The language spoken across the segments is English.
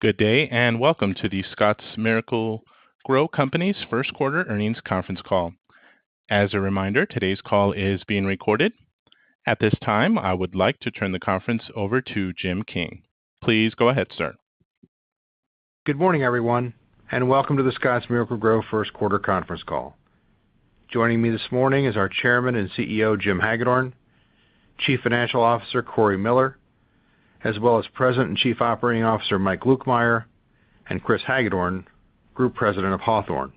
Good day, and welcome to the Scotts Miracle-Gro Company's first quarter earnings conference call. As a reminder, today's call is being recorded. At this time, I would like to turn the conference over to Jim King. Please go ahead, sir. Good morning, everyone, and welcome to the Scotts Miracle-Gro first quarter conference call. Joining me this morning is our Chairman and CEO, Jim Hagedorn, Chief Financial Officer, Cory Miller, as well as President and Chief Operating Officer, Mike Lukemire, and Chris Hagedorn, Group President of Hawthorne.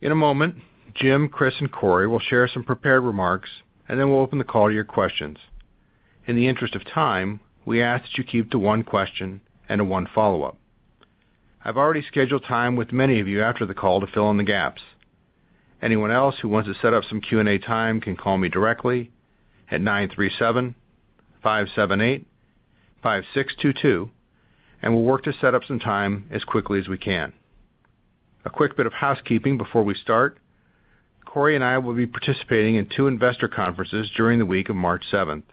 In a moment, Jim, Chris, and Cory will share some prepared remarks, and then we'll open the call to your questions. In the interest of time, we ask that you keep to one question and to one follow-up. I've already scheduled time with many of you after the call to fill in the gaps. Anyone else who wants to set up some Q&A time can call me directly at 937-578-5622, and we'll work to set up some time as quickly as we can. A quick bit of housekeeping before we start. Cory and I will be participating in two investor conferences during the week of March seventh.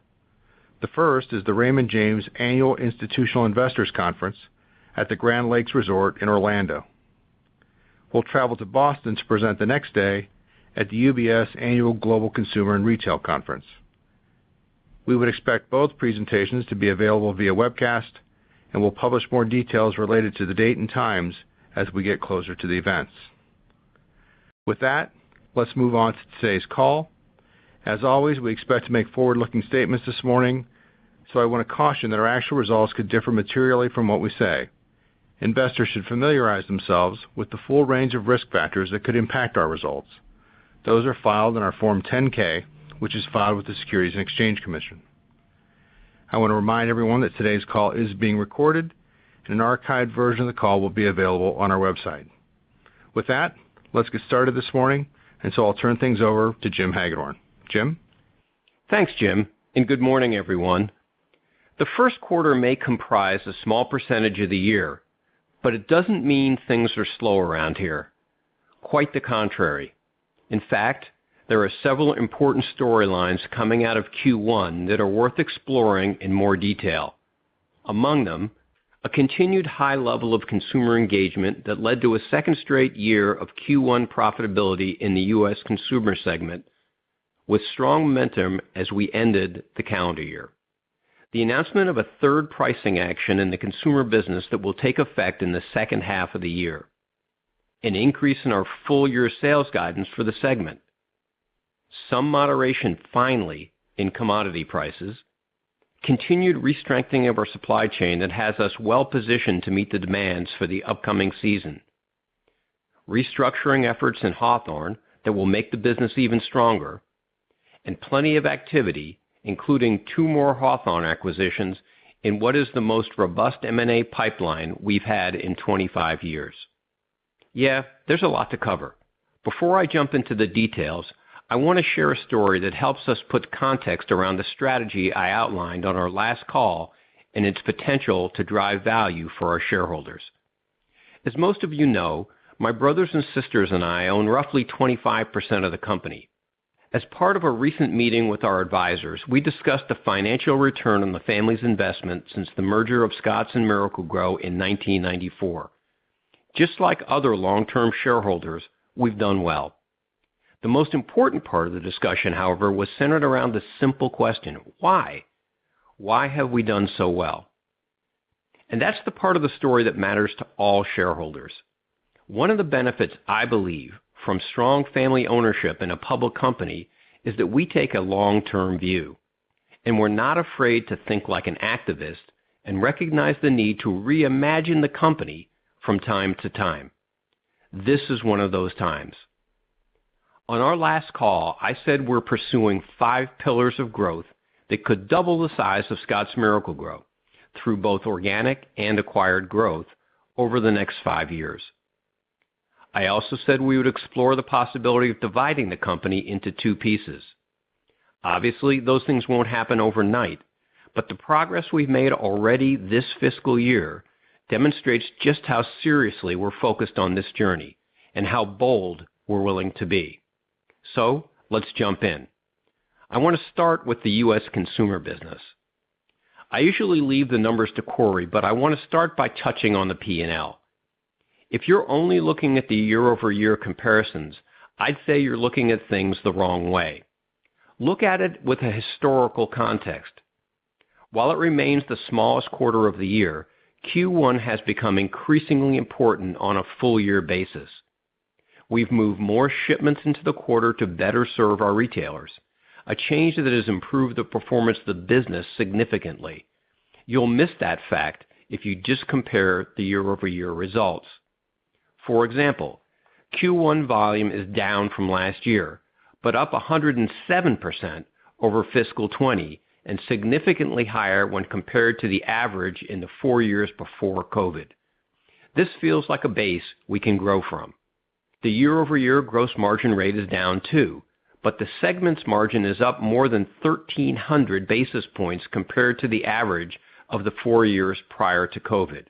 The first is the Raymond James Annual Institutional Investors Conference at the Grand Lakes Resort in Orlando. We'll travel to Boston to present the next day at the UBS Annual Global Consumer and Retail Conference. We would expect both presentations to be available via webcast, and we'll publish more details related to the date and times as we get closer to the events. With that, let's move on to today's call. As always, we expect to make forward-looking statements this morning, so I wanna caution that our actual results could differ materially from what we say. Investors should familiarize themselves with the full range of risk factors that could impact our results. Those are filed in our Form 10-K, which is filed with the Securities and Exchange Commission. I wanna remind everyone that today's call is being recorded, and an archived version of the call will be available on our website. With that, let's get started this morning, and so I'll turn things over to Jim Hagedorn. Jim? Thanks, Jim, and good morning, everyone. The first quarter may comprise a small percentage of the year, but it doesn't mean things are slow around here. Quite the contrary. In fact, there are several important storylines coming out of Q1 that are worth exploring in more detail. Among them, a continued high level of consumer engagement that led to a second straight year of Q1 profitability in the U.S. consumer segment, with strong momentum as we ended the calendar year. The announcement of a third pricing action in the consumer business that will take effect in the second half of the year. An increase in our full year sales guidance for the segment. Some moderation finally in commodity prices. Continued re-strengthening of our supply chain that has us well-positioned to meet the demands for the upcoming season. Restructuring efforts in Hawthorne that will make the business even stronger, and plenty of activity, including two more Hawthorne acquisitions in what is the most robust M&A pipeline we've had in 25 years. Yeah, there's a lot to cover. Before I jump into the details, I wanna share a story that helps us put context around the strategy I outlined on our last call and its potential to drive value for our shareholders. As most of you know, my brothers and sisters and I own roughly 25% of the company. As part of a recent meeting with our advisors, we discussed the financial return on the family's investment since the merger of Scotts and Miracle-Gro in 1994. Just like other long-term shareholders, we've done well. The most important part of the discussion, however, was centered around the simple question. Why? Why have we done so well? That's the part of the story that matters to all shareholders. One of the benefits I believe from strong family ownership in a public company is that we take a long-term view, and we're not afraid to think like an activist and recognize the need to reimagine the company from time to time. This is one of those times. On our last call, I said we're pursuing five pillars of growth that could double the size of Scotts Miracle-Gro through both organic and acquired growth over the next five years. I also said we would explore the possibility of dividing the company into two pieces. Obviously, those things won't happen overnight, but the progress we've made already this fiscal year demonstrates just how seriously we're focused on this journey and how bold we're willing to be. Let's jump in. I wanna start with the U.S. consumer business. I usually leave the numbers to Cory, but I wanna start by touching on the P&L. If you're only looking at the year-over-year comparisons, I'd say you're looking at things the wrong way. Look at it with a historical context. While it remains the smallest quarter of the year, Q1 has become increasingly important on a full year basis. We've moved more shipments into the quarter to better serve our retailers, a change that has improved the performance of the business significantly. You'll miss that fact if you just compare the year-over-year results. For example, Q1 volume is down from last year, but up 107% over fiscal 2020 and significantly higher when compared to the average in the four years before COVID. This feels like a base we can grow from. The year-over-year gross margin rate is down too, but the segment's margin is up more than 1,300 basis points compared to the average of the four years prior to COVID.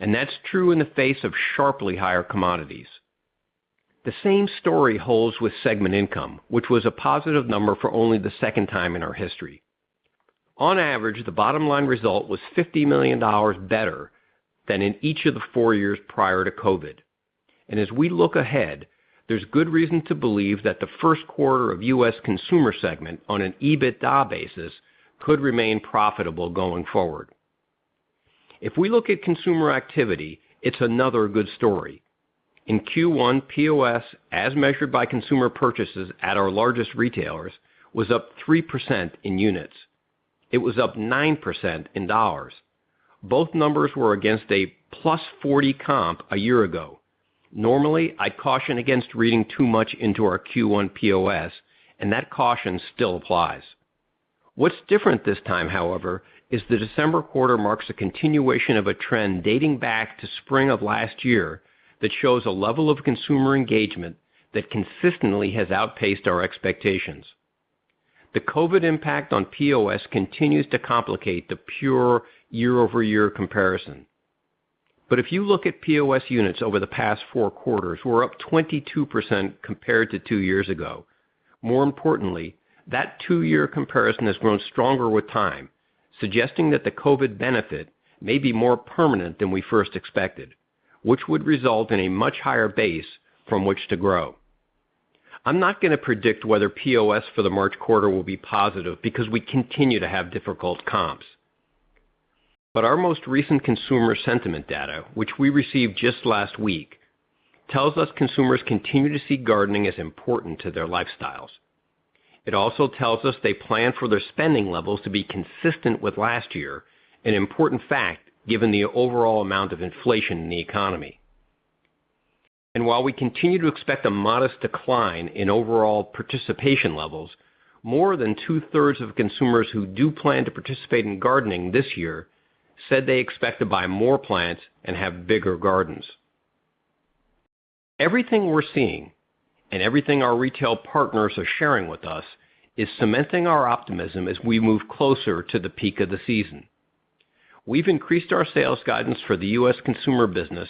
That's true in the face of sharply higher commodities. The same story holds with segment income, which was a positive number for only the second time in our history. On average, the bottom line result was $50 million better than in each of the four years prior to COVID. As we look ahead, there's good reason to believe that the first quarter of U.S. consumer segment on an EBITDA basis could remain profitable going forward. If we look at consumer activity, it's another good story. In Q1, POS, as measured by consumer purchases at our largest retailers, was up 3% in units. It was up 9% in dollars. Both numbers were against a +40 comp a year ago. Normally, I caution against reading too much into our Q1 POS, and that caution still applies. What's different this time, however, is the December quarter marks a continuation of a trend dating back to spring of last year that shows a level of consumer engagement that consistently has outpaced our expectations. The COVID impact on POS continues to complicate the pure year-over-year comparison. If you look at POS units over the past four quarters, we're up 22% compared to two years ago. More importantly, that two-year comparison has grown stronger with time, suggesting that the COVID benefit may be more permanent than we first expected, which would result in a much higher base from which to grow. I'm not going to predict whether POS for the March quarter will be positive because we continue to have difficult comps. Our most recent consumer sentiment data, which we received just last week, tells us consumers continue to see gardening as important to their lifestyles. It also tells us they plan for their spending levels to be consistent with last year, an important fact given the overall amount of inflation in the economy. While we continue to expect a modest decline in overall participation levels, more than two-thirds of consumers who do plan to participate in gardening this year said they expect to buy more plants and have bigger gardens. Everything we're seeing and everything our retail partners are sharing with us is cementing our optimism as we move closer to the peak of the season. We've increased our sales guidance for the U.S. consumer business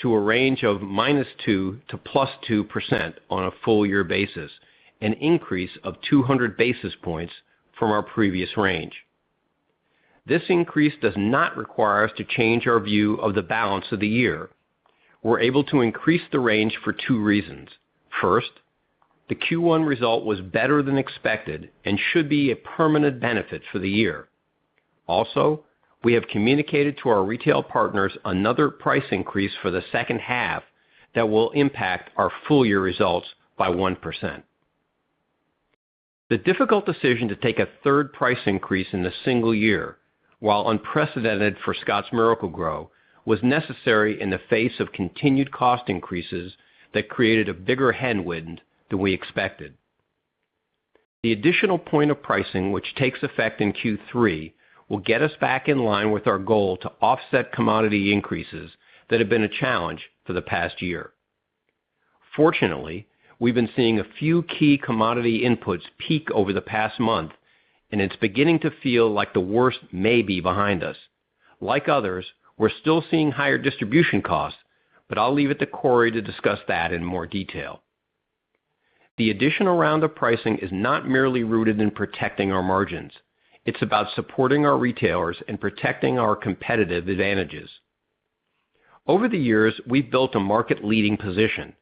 to a range of -2% to +2% on a full year basis, an increase of 200 basis points from our previous range. This increase does not require us to change our view of the balance of the year. We're able to increase the range for two reasons. First, the Q1 result was better than expected and should be a permanent benefit for the year. Also, we have communicated to our retail partners another price increase for the second half that will impact our full year results by 1%. The difficult decision to take a third price increase in a single year, while unprecedented for Scotts Miracle-Gro, was necessary in the face of continued cost increases that created a bigger headwind than we expected. The additional point of pricing, which takes effect in Q3, will get us back in line with our goal to offset commodity increases that have been a challenge for the past year. Fortunately, we've been seeing a few key commodity inputs peak over the past month, and it's beginning to feel like the worst may be behind us. Like others, we're still seeing higher distribution costs, but I'll leave it to Cory to discuss that in more detail. The additional round of pricing is not merely rooted in protecting our margins. It's about supporting our retailers and protecting our competitive advantages. Over the years, we've built a market-leading position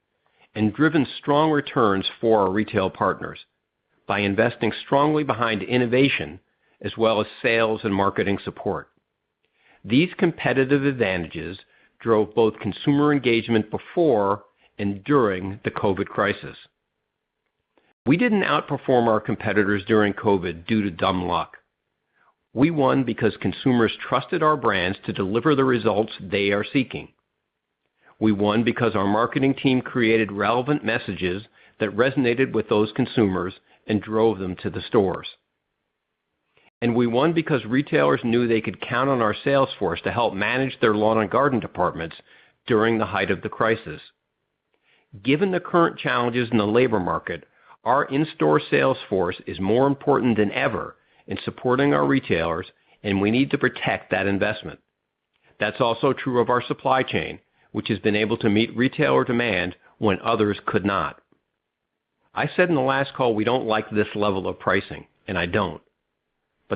and driven strong returns for our retail partners by investing strongly behind innovation as well as sales and marketing support. These competitive advantages drove both consumer engagement before and during the COVID crisis. We didn't outperform our competitors during COVID due to dumb luck. We won because consumers trusted our brands to deliver the results they are seeking. We won because our marketing team created relevant messages that resonated with those consumers and drove them to the stores. We won because retailers knew they could count on our sales force to help manage their lawn and garden departments during the height of the crisis. Given the current challenges in the labor market, our in-store sales force is more important than ever in supporting our retailers, and we need to protect that investment. That's also true of our supply chain, which has been able to meet retailer demand when others could not. I said in the last call we don't like this level of pricing, and I don't.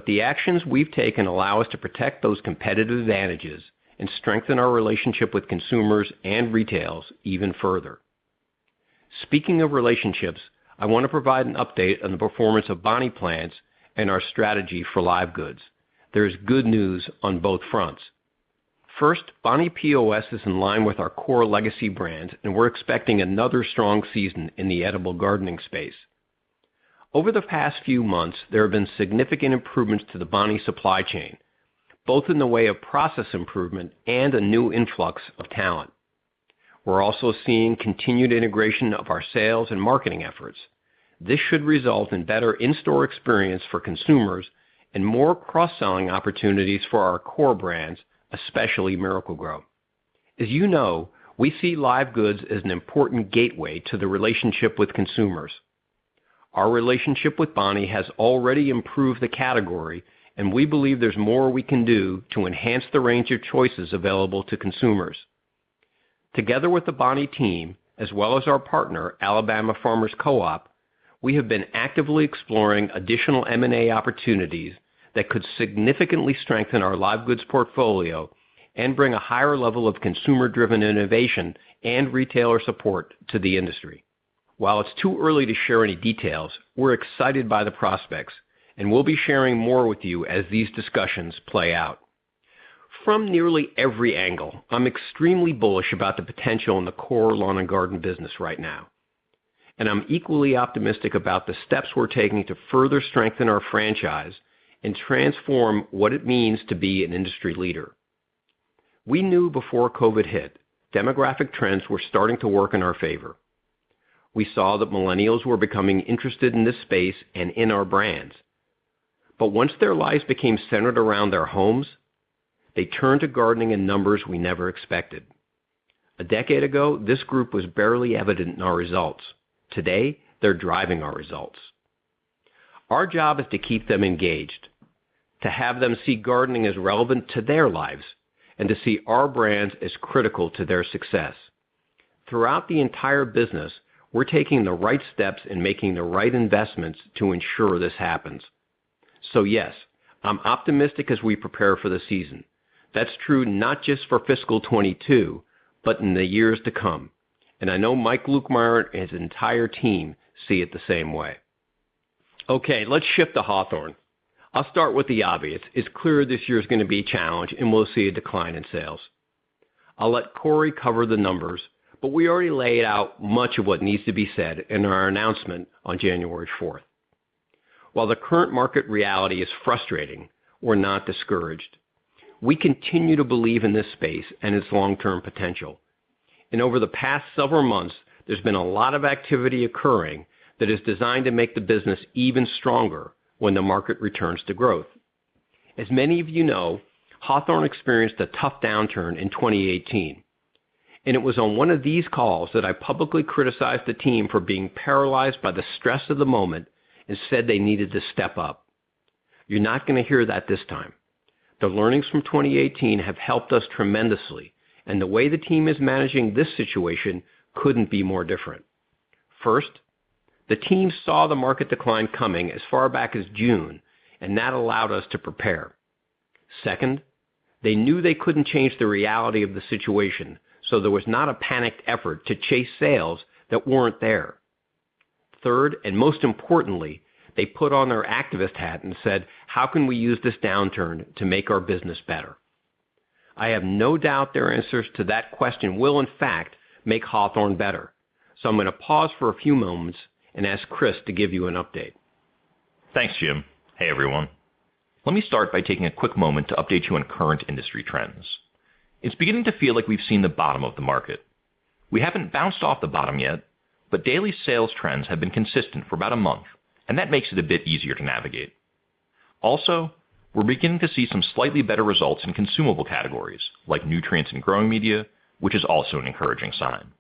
The actions we've taken allow us to protect those competitive advantages and strengthen our relationship with consumers and retailers even further. Speaking of relationships, I want to provide an update on the performance of Bonnie Plants and our strategy for live goods. There is good news on both fronts. First, Bonnie POS is in line with our core legacy brands, and we're expecting another strong season in the edible gardening space. Over the past few months, there have been significant improvements to the Bonnie supply chain, both in the way of process improvement and a new influx of talent. We're also seeing continued integration of our sales and marketing efforts. This should result in better in-store experience for consumers and more cross-selling opportunities for our core brands, especially Miracle-Gro. As you know, we see live goods as an important gateway to the relationship with consumers. Our relationship with Bonnie has already improved the category, and we believe there's more we can do to enhance the range of choices available to consumers. Together with the Bonnie team, as well as our partner, Alabama Farmers Cooperative, we have been actively exploring additional M&A opportunities that could significantly strengthen our live goods portfolio and bring a higher level of consumer-driven innovation and retailer support to the industry. While it's too early to share any details, we're excited by the prospects, and we'll be sharing more with you as these discussions play out. From nearly every angle, I'm extremely bullish about the potential in the core lawn and garden business right now, and I'm equally optimistic about the steps we're taking to further strengthen our franchise and transform what it means to be an industry leader. We knew before COVID hit, demographic trends were starting to work in our favor. We saw that millennials were becoming interested in this space and in our brands. Once their lives became centered around their homes, they turned to gardening in numbers we never expected. A decade ago, this group was barely evident in our results. Today, they're driving our results. Our job is to keep them engaged, to have them see gardening as relevant to their lives, and to see our brands as critical to their success. Throughout the entire business, we're taking the right steps and making the right investments to ensure this happens. Yes, I'm optimistic as we prepare for the season. That's true not just for fiscal 2022, but in the years to come. I know Mike Lukemire and his entire team see it the same way. Okay, let's shift to Hawthorne. I'll start with the obvious. It's clear this year is gonna be a challenge and we'll see a decline in sales. I'll let Cory cover the numbers, but we already laid out much of what needs to be said in our announcement on January 4. While the current market reality is frustrating, we're not discouraged. We continue to believe in this space and its long-term potential. Over the past several months, there's been a lot of activity occurring that is designed to make the business even stronger when the market returns to growth. As many of you know, Hawthorne experienced a tough downturn in 2018, and it was on one of these calls that I publicly criticized the team for being paralyzed by the stress of the moment and said they needed to step up. You're not gonna hear that this time. The learnings from 2018 have helped us tremendously, and the way the team is managing this situation couldn't be more different. First, the team saw the market decline coming as far back as June, and that allowed us to prepare. Second, they knew they couldn't change the reality of the situation, so there was not a panicked effort to chase sales that weren't there. Third, and most importantly, they put on their activist hat and said, "How can we use this downturn to make our business better?" I have no doubt their answers to that question will in fact make Hawthorne better. I'm gonna pause for a few moments and ask Chris to give you an update. Thanks, Jim. Hey, everyone. Let me start by taking a quick moment to update you on current industry trends. It's beginning to feel like we've seen the bottom of the market. We haven't bounced off the bottom yet, but daily sales trends have been consistent for about a month, and that makes it a bit easier to navigate. Also, we're beginning to see some slightly better results in consumable categories like nutrients and growing media, which is also an encouraging sign.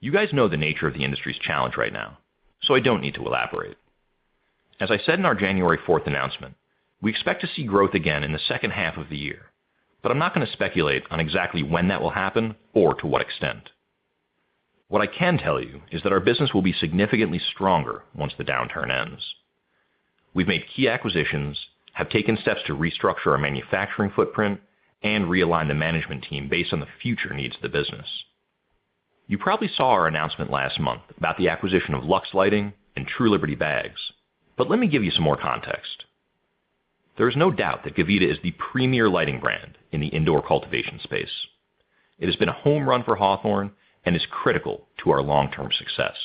You guys know the nature of the industry's challenge right now, so I don't need to elaborate. As I said in our January 4 announcement, we expect to see growth again in the second half of the year, but I'm not gonna speculate on exactly when that will happen or to what extent. What I can tell you is that our business will be significantly stronger once the downturn ends. We've made key acquisitions, have taken steps to restructure our manufacturing footprint, and realigned the management team based on the future needs of the business. You probably saw our announcement last month about the acquisition of Luxx Lighting and True Liberty Bags, but let me give you some more context. There is no doubt that Gavita is the premier lighting brand in the indoor cultivation space. It has been a home run for Hawthorne and is critical to our long-term success.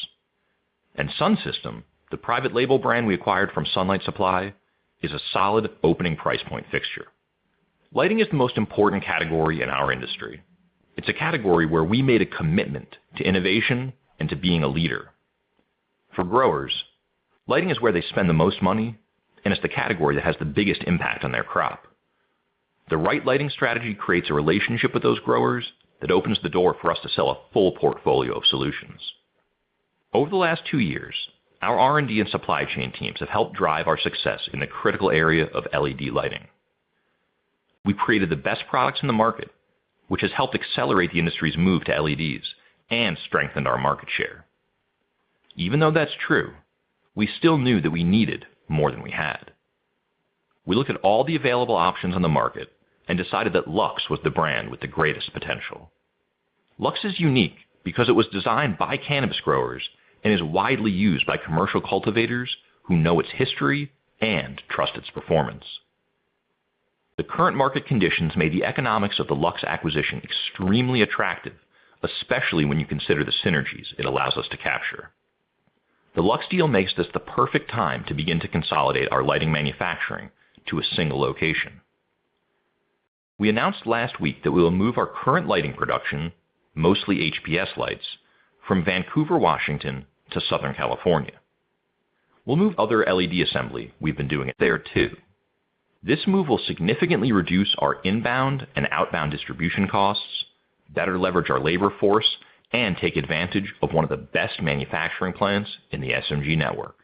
Sun System, the private label brand we acquired from Sunlight Supply, is a solid opening price point fixture. Lighting is the most important category in our industry. It's a category where we made a commitment to innovation and to being a leader. For growers, lighting is where they spend the most money, and it's the category that has the biggest impact on their crop. The right lighting strategy creates a relationship with those growers that opens the door for us to sell a full portfolio of solutions. Over the last two years, our R&D and supply chain teams have helped drive our success in the critical area of LED lighting. We've created the best products in the market, which has helped accelerate the industry's move to LEDs and strengthened our market share. Even though that's true, we still knew that we needed more than we had. We looked at all the available options on the market and decided that Luxx was the brand with the greatest potential. Luxx is unique because it was designed by cannabis growers and is widely used by commercial cultivators who know its history and trust its performance. The current market conditions made the economics of the Luxx acquisition extremely attractive, especially when you consider the synergies it allows us to capture. The Luxx deal makes this the perfect time to begin to consolidate our lighting manufacturing to a single location. We announced last week that we will move our current lighting production, mostly HPS lights, from Vancouver, Washington, to Southern California. We'll move other LED assembly we've been doing there too. This move will significantly reduce our inbound and outbound distribution costs, better leverage our labor force, and take advantage of one of the best manufacturing plants in the SMG network.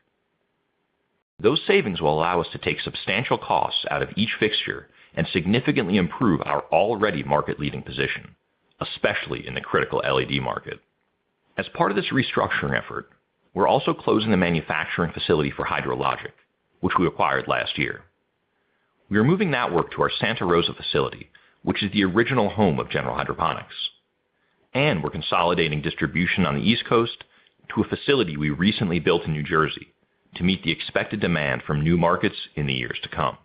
Those savings will allow us to take substantial costs out of each fixture and significantly improve our already market-leading position, especially in the critical LED market. As part of this restructuring effort, we're also closing the manufacturing facility for HydroLogic, which we acquired last year. We are moving that work to our Santa Rosa facility, which is the original home of General Hydroponics, and we're consolidating distribution on the East Coast to a facility we recently built in New Jersey to meet the expected demand from new markets in the years to come.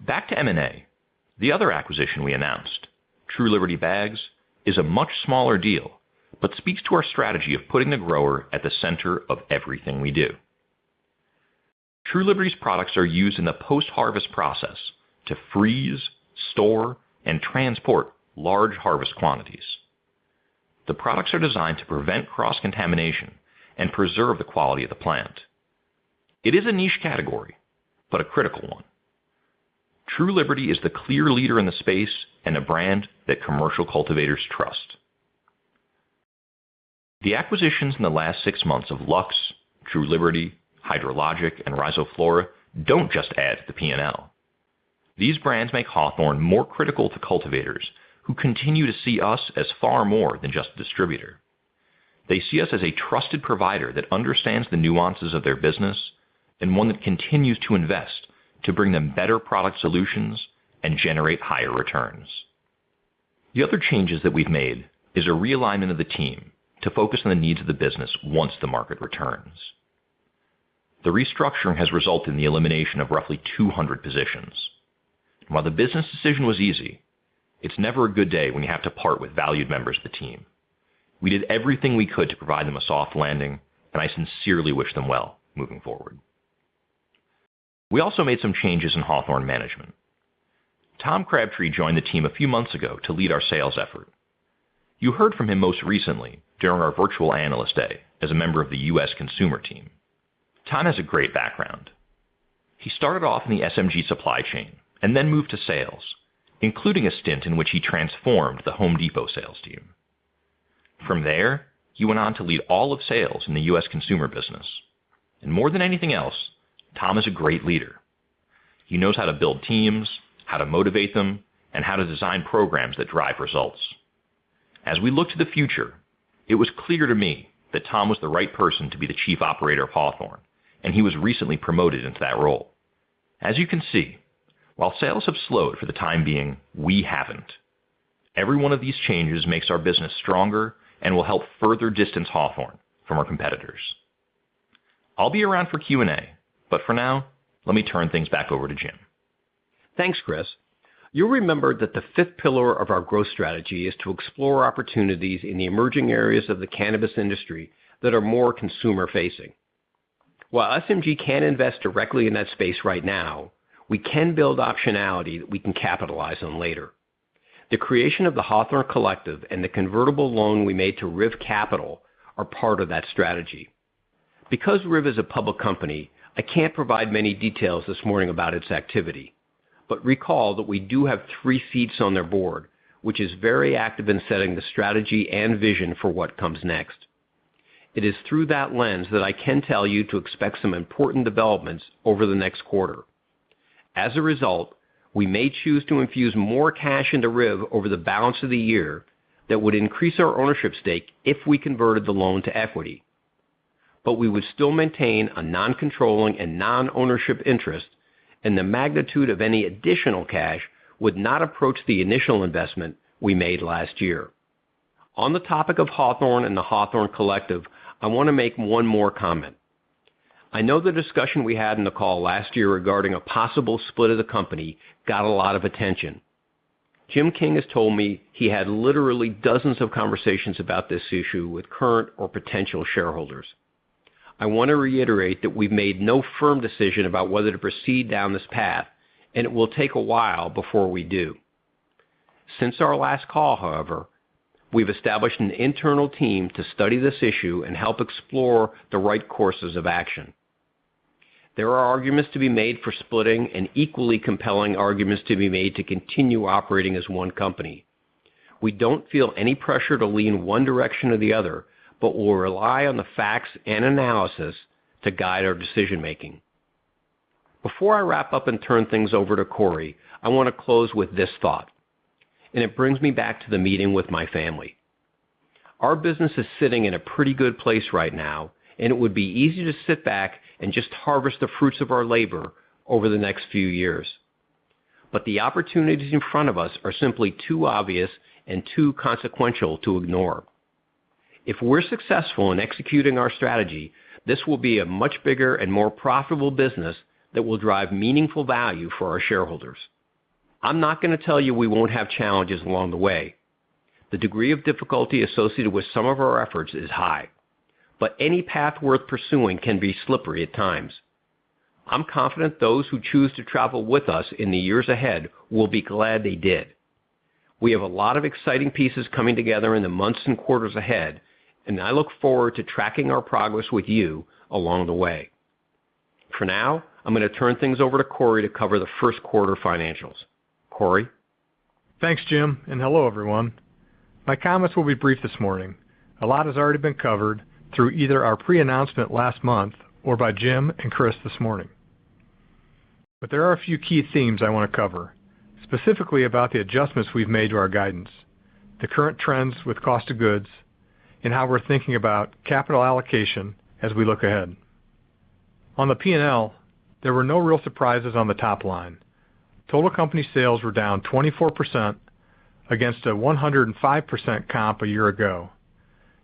Back to M&A, the other acquisition we announced, True Liberty Bags, is a much smaller deal, but speaks to our strategy of putting the grower at the center of everything we do. True Liberty's products are used in the post-harvest process to freeze, store, and transport large harvest quantities. The products are designed to prevent cross-contamination and preserve the quality of the plant. It is a niche category, but a critical one. True Liberty is the clear leader in the space and a brand that commercial cultivators trust. The acquisitions in the last six months of Luxx, True Liberty, HydroLogic, and Rhizoflora don't just add to the P&L. These brands make Hawthorne more critical to cultivators who continue to see us as far more than just a distributor. They see us as a trusted provider that understands the nuances of their business and one that continues to invest to bring them better product solutions and generate higher returns. The other changes that we've made is a realignment of the team to focus on the needs of the business once the market returns. The restructuring has resulted in the elimination of roughly 200 positions. While the business decision was easy, it's never a good day when you have to part with valued members of the team. We did everything we could to provide them a soft landing, and I sincerely wish them well moving forward. We also made some changes in Hawthorne management. Tom Crabtree joined the team a few months ago to lead our sales effort. You heard from him most recently during our virtual Analyst Day as a member of the U.S. consumer team. Tom has a great background. He started off in the SMG supply chain and then moved to sales, including a stint in which he transformed the Home Depot sales team. From there, he went on to lead all of sales in the U.S. consumer business. More than anything else, Tom is a great leader. He knows how to build teams, how to motivate them, and how to design programs that drive results. As we look to the future, it was clear to me that Tom was the right person to be the chief operator of Hawthorne, and he was recently promoted into that role. As you can see, while sales have slowed for the time being, we haven't. Every one of these changes makes our business stronger and will help further distance Hawthorne from our competitors. I'll be around for Q&A, but for now, let me turn things back over to Jim. Thanks, Chris. You'll remember that the fifth pillar of our growth strategy is to explore opportunities in the emerging areas of the cannabis industry that are more consumer-facing. While SMG can't invest directly in that space right now, we can build optionality that we can capitalize on later. The creation of the Hawthorne Collective and the convertible loan we made to RIV Capital are part of that strategy. Because RIV is a public company, I can't provide many details this morning about its activity, but recall that we do have three seats on their board, which is very active in setting the strategy and vision for what comes next. It is through that lens that I can tell you to expect some important developments over the next quarter. As a result, we may choose to infuse more cash into RIV over the balance of the year that would increase our ownership stake if we converted the loan to equity. We would still maintain a non-controlling and non-ownership interest, and the magnitude of any additional cash would not approach the initial investment we made last year. On the topic of Hawthorne and the Hawthorne Collective, I want to make one more comment. I know the discussion we had in the call last year regarding a possible split of the company got a lot of attention. Jim King has told me he had literally dozens of conversations about this issue with current or potential shareholders. I want to reiterate that we've made no firm decision about whether to proceed down this path, and it will take a while before we do. Since our last call, however, we've established an internal team to study this issue and help explore the right courses of action. There are arguments to be made for splitting and equally compelling arguments to be made to continue operating as one company. We don't feel any pressure to lean one direction or the other, but we'll rely on the facts and analysis to guide our decision-making. Before I wrap up and turn things over to Cory, I want to close with this thought, and it brings me back to the meeting with my family. Our business is sitting in a pretty good place right now, and it would be easy to sit back and just harvest the fruits of our labor over the next few years. But the opportunities in front of us are simply too obvious and too consequential to ignore. If we're successful in executing our strategy, this will be a much bigger and more profitable business that will drive meaningful value for our shareholders. I'm not going to tell you we won't have challenges along the way. The degree of difficulty associated with some of our efforts is high, but any path worth pursuing can be slippery at times. I'm confident those who choose to travel with us in the years ahead will be glad they did. We have a lot of exciting pieces coming together in the months and quarters ahead, and I look forward to tracking our progress with you along the way. For now, I'm going to turn things over to Cory to cover the first quarter financials. Cory? Thanks, Jim, and hello, everyone. My comments will be brief this morning. A lot has already been covered through either our pre-announcement last month or by Jim and Chris this morning. There are a few key themes I want to cover, specifically about the adjustments we've made to our guidance, the current trends with cost of goods, and how we're thinking about capital allocation as we look ahead. On the P&L, there were no real surprises on the top line. Total company sales were down 24% against a 105% comp a year ago.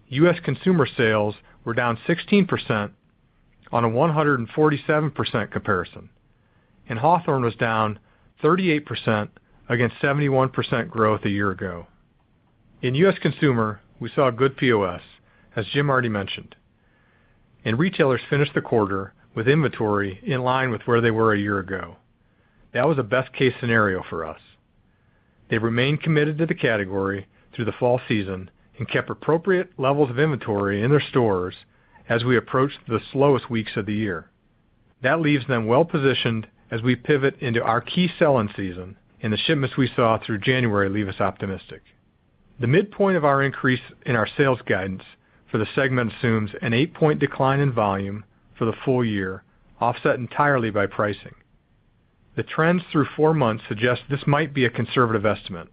U.S. consumer sales were down 16% on a 147% comparison. Hawthorne was down 38% against 71% growth a year ago. In U.S. Consumer, we saw good POS, as Jim already mentioned. Retailers finished the quarter with inventory in line with where they were a year ago. That was a best case scenario for us. They remained committed to the category through the fall season and kept appropriate levels of inventory in their stores as we approached the slowest weeks of the year. That leaves them well-positioned as we pivot into our key selling season, and the shipments we saw through January leave us optimistic. The midpoint of our increase in our sales guidance for the segment assumes an 8-point decline in volume for the full year, offset entirely by pricing. The trends through 4 months suggest this might be a conservative estimate,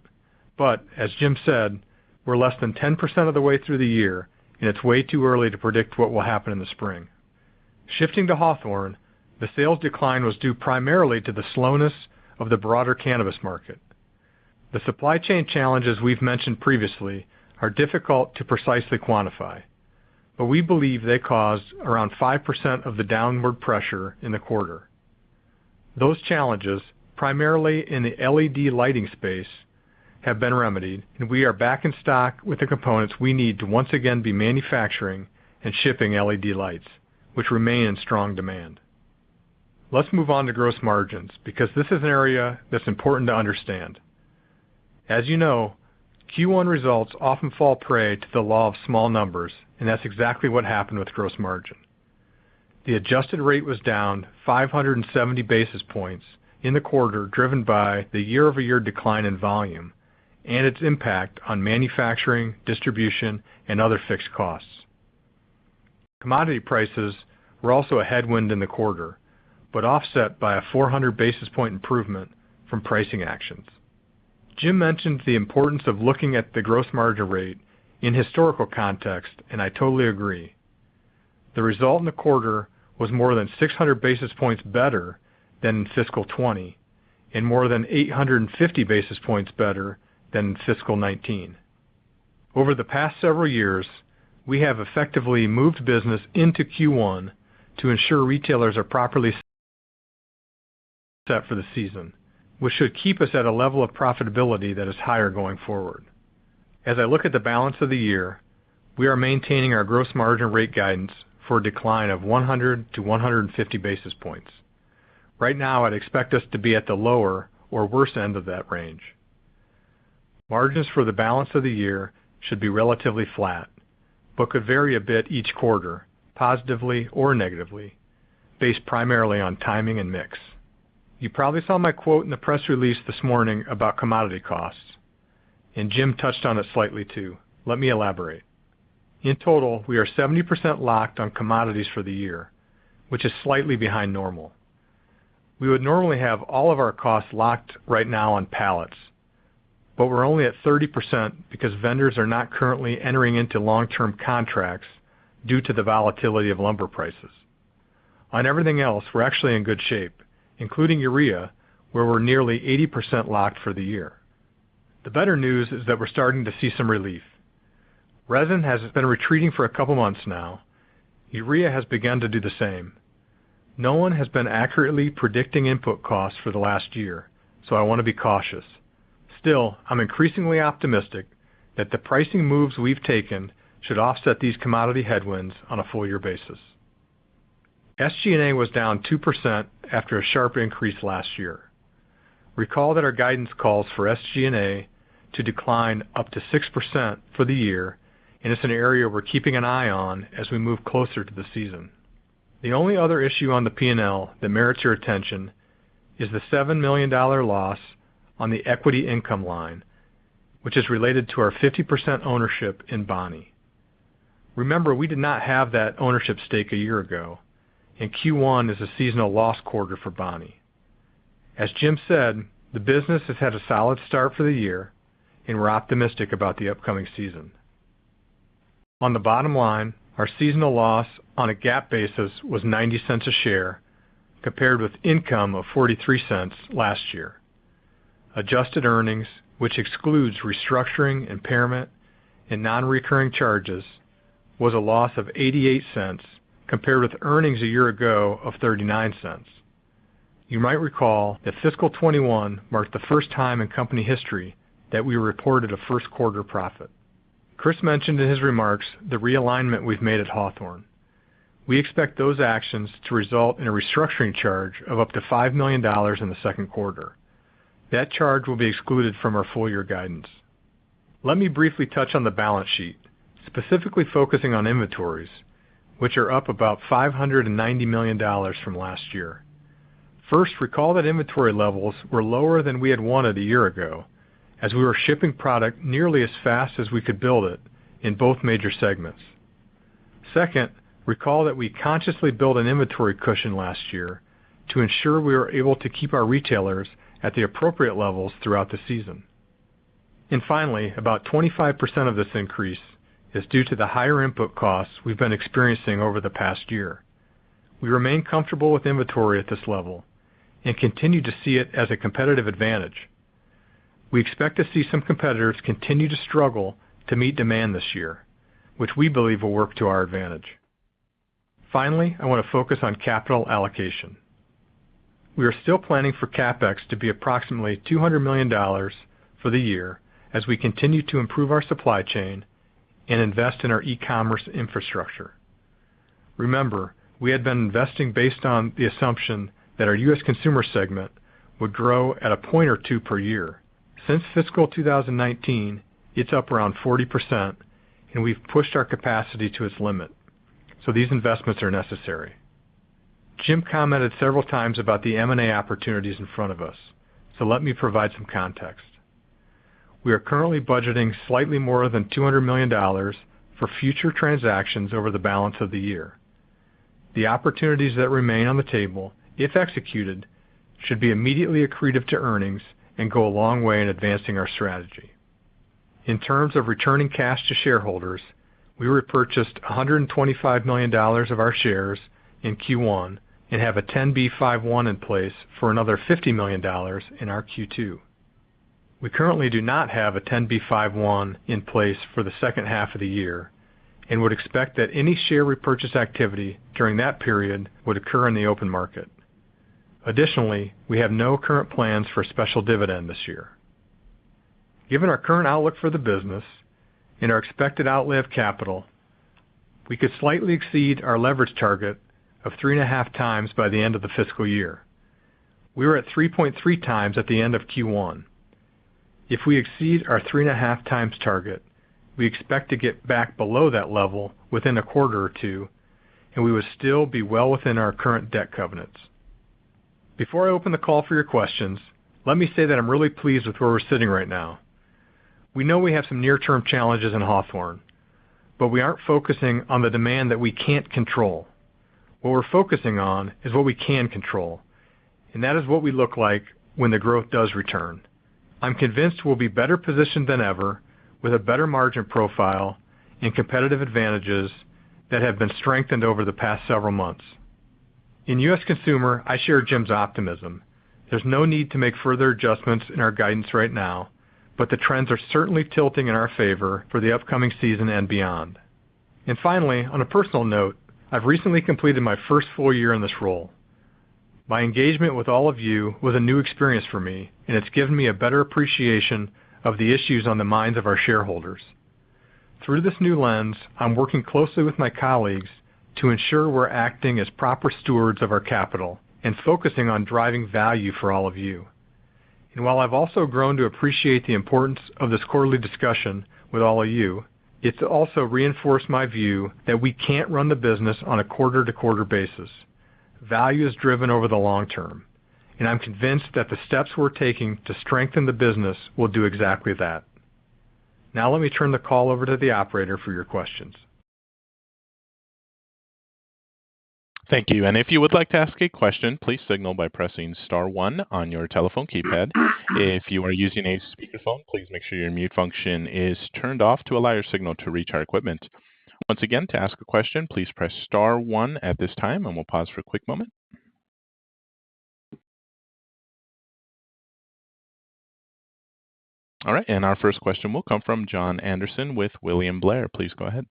but as Jim said, we're less than 10% of the way through the year, and it's way too early to predict what will happen in the spring. Shifting to Hawthorne, the sales decline was due primarily to the slowness of the broader cannabis market. The supply chain challenges we've mentioned previously are difficult to precisely quantify, but we believe they caused around 5% of the downward pressure in the quarter. Those challenges, primarily in the LED lighting space, have been remedied, and we are back in stock with the components we need to once again be manufacturing and shipping LED lights, which remain in strong demand. Let's move on to gross margins, because this is an area that's important to understand. As you know, Q1 results often fall prey to the law of small numbers, and that's exactly what happened with gross margin. The adjusted rate was down 570 basis points in the quarter, driven by the year-over-year decline in volume and its impact on manufacturing, distribution, and other fixed costs. Commodity prices were also a headwind in the quarter, but offset by a 400 basis point improvement from pricing actions. Jim mentioned the importance of looking at the gross margin rate in historical context, and I totally agree. The result in the quarter was more than 600 basis points better than in fiscal 2020 and more than 850 basis points better than in fiscal 2019. Over the past several years, we have effectively moved business into Q1 to ensure retailers are properly set for the season, which should keep us at a level of profitability that is higher going forward. As I look at the balance of the year, we are maintaining our gross margin rate guidance for a decline of 100-150 basis points. Right now, I'd expect us to be at the lower or worse end of that range. Margins for the balance of the year should be relatively flat, but could vary a bit each quarter, positively or negatively, based primarily on timing and mix. You probably saw my quote in the press release this morning about commodity costs, and Jim touched on it slightly too. Let me elaborate. In total, we are 70% locked on commodities for the year, which is slightly behind normal. We would normally have all of our costs locked right now on pallets, but we're only at 30% because vendors are not currently entering into long-term contracts due to the volatility of lumber prices. On everything else, we're actually in good shape, including urea, where we're nearly 80% locked for the year. The better news is that we're starting to see some relief. Resin has been retreating for a couple months now. Urea has begun to do the same. No one has been accurately predicting input costs for the last year, so I want to be cautious. Still, I'm increasingly optimistic that the pricing moves we've taken should offset these commodity headwinds on a full year basis. SG&A was down 2% after a sharp increase last year. Recall that our guidance calls for SG&A to decline up to 6% for the year, and it's an area we're keeping an eye on as we move closer to the season. The only other issue on the P&L that merits your attention is the $7 million loss on the equity income line, which is related to our 50% ownership in Bonnie. Remember, we did not have that ownership stake a year ago, and Q1 is a seasonal loss quarter for Bonnie. As Jim said, the business has had a solid start for the year, and we're optimistic about the upcoming season. On the bottom line, our seasonal loss on a GAAP basis was $0.90 per share, compared with income of $0.43 last year. Adjusted earnings, which excludes restructuring, impairment, and non-recurring charges, was a loss of $0.88, compared with earnings a year ago of $0.39. You might recall that fiscal 2021 marked the first time in company history that we reported a first quarter profit. Chris mentioned in his remarks the realignment we've made at Hawthorne. We expect those actions to result in a restructuring charge of up to $5 million in the second quarter. That charge will be excluded from our full year guidance. Let me briefly touch on the balance sheet, specifically focusing on inventories, which are up about $590 million from last year. First, recall that inventory levels were lower than we had wanted a year ago as we were shipping product nearly as fast as we could build it in both major segments. Second, recall that we consciously built an inventory cushion last year to ensure we were able to keep our retailers at the appropriate levels throughout the season. Finally, about 25% of this increase is due to the higher input costs we've been experiencing over the past year. We remain comfortable with inventory at this level and continue to see it as a competitive advantage. We expect to see some competitors continue to struggle to meet demand this year, which we believe will work to our advantage. Finally, I want to focus on capital allocation. We are still planning for CapEx to be approximately $200 million for the year as we continue to improve our supply chain and invest in our e-commerce infrastructure. Remember, we had been investing based on the assumption that our U.S. consumer segment would grow at a point or two per year. Since fiscal 2019, it's up around 40%, and we've pushed our capacity to its limit. These investments are necessary. Jim commented several times about the M&A opportunities in front of us. Let me provide some context. We are currently budgeting slightly more than $200 million for future transactions over the balance of the year. The opportunities that remain on the table, if executed, should be immediately accretive to earnings and go a long way in advancing our strategy. In terms of returning cash to shareholders, we repurchased $125 million of our shares in Q1 and have a 10b5-1 in place for another $50 million in our Q2. We currently do not have a 10b5-1 in place for the second half of the year and would expect that any share repurchase activity during that period would occur in the open market. Additionally, we have no current plans for a special dividend this year. Given our current outlook for the business and our expected outlay of capital, we could slightly exceed our leverage target of 3.5 times by the end of the fiscal year. We were at 3.3 times at the end of Q1. If we exceed our 3.5x target, we expect to get back below that level within a quarter or two, and we would still be well within our current debt covenants. Before I open the call for your questions, let me say that I'm really pleased with where we're sitting right now. We know we have some near-term challenges in Hawthorne, but we aren't focusing on the demand that we can't control. What we're focusing on is what we can control, and that is what we look like when the growth does return. I'm convinced we'll be better positioned than ever with a better margin profile and competitive advantages that have been strengthened over the past several months. In U.S. consumer, I share Jim's optimism. There's no need to make further adjustments in our guidance right now, but the trends are certainly tilting in our favor for the upcoming season and beyond. Finally, on a personal note, I've recently completed my first full year in this role. My engagement with all of you was a new experience for me, and it's given me a better appreciation of the issues on the minds of our shareholders. Through this new lens, I'm working closely with my colleagues to ensure we're acting as proper stewards of our capital and focusing on driving value for all of you. While I've also grown to appreciate the importance of this quarterly discussion with all of you, it's also reinforced my view that we can't run the business on a quarter-to-quarter basis. Value is driven over the long term, and I'm convinced that the steps we're taking to strengthen the business will do exactly that. Now let me turn the call over to the operator for your questions. Thank you. If you would like to ask a question, please signal by pressing star one on your telephone keypad. If you are using a speakerphone, please make sure your mute function is turned off to allow your signal to reach our equipment. Once again, to ask a question, please press star one at this time, and we'll pause for a quick moment. All right. Our first question will come from Jon Andersen with William Blair. Please go ahead.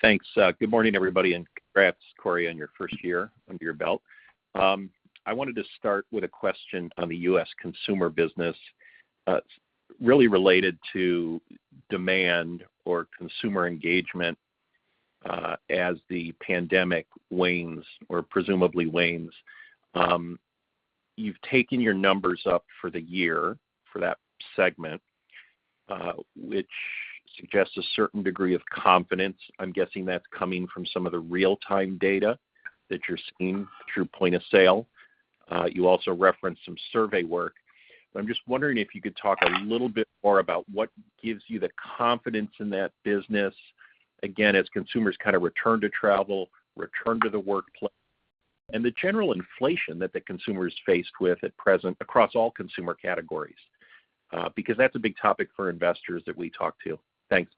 Thanks. Good morning, everybody, and congrats, Cory, on your first year under your belt. I wanted to start with a question on the U.S. consumer business, really related to demand or consumer engagement, as the pandemic wanes or presumably wanes. You've taken your numbers up for the year for that segment, which suggests a certain degree of confidence. I'm guessing that's coming from some of the real-time data that you're seeing through point of sale. You also referenced some survey work. I'm just wondering if you could talk a little bit more about what gives you the confidence in that business, again, as consumers kind of return to travel, return to the workplace, and the general inflation that the consumer is faced with at present across all consumer categories. Because that's a big topic for investors that we talk to. Thanks.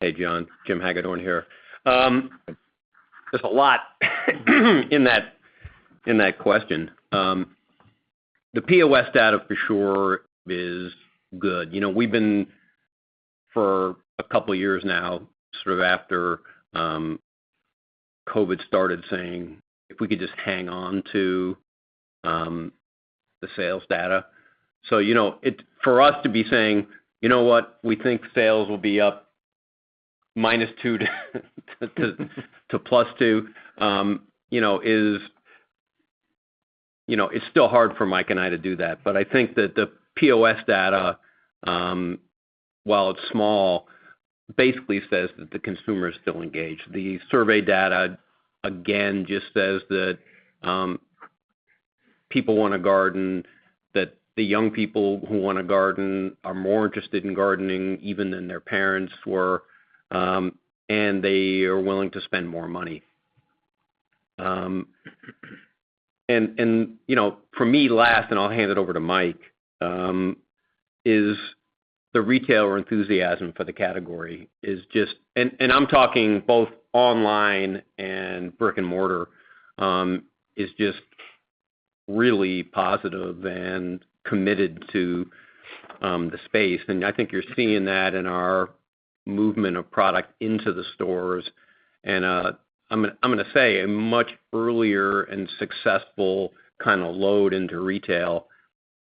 Hey, John. Jim Hagedorn here. There's a lot in that question. The POS data for sure is good. You know, we've been for a couple of years now, sort of after, COVID started saying, if we could just hang on to the sales data. You know, it's for us to be saying, "You know what? We think sales will be -2% to +2%," you know, is still hard for Mike and I to do that. I think that the POS data, while it's small, basically says that the consumer is still engaged. The survey data, again, just says that people wanna garden, that the young people who wanna garden are more interested in gardening even than their parents were, and they are willing to spend more money. You know, for me, lastly, I'll hand it over to Mike, is the retailer enthusiasm for the category just. I'm talking both online and brick-and-mortar is just really positive and committed to the space. I think you're seeing that in our movement of product into the stores and I'm gonna say a much earlier and successful kinda load into retail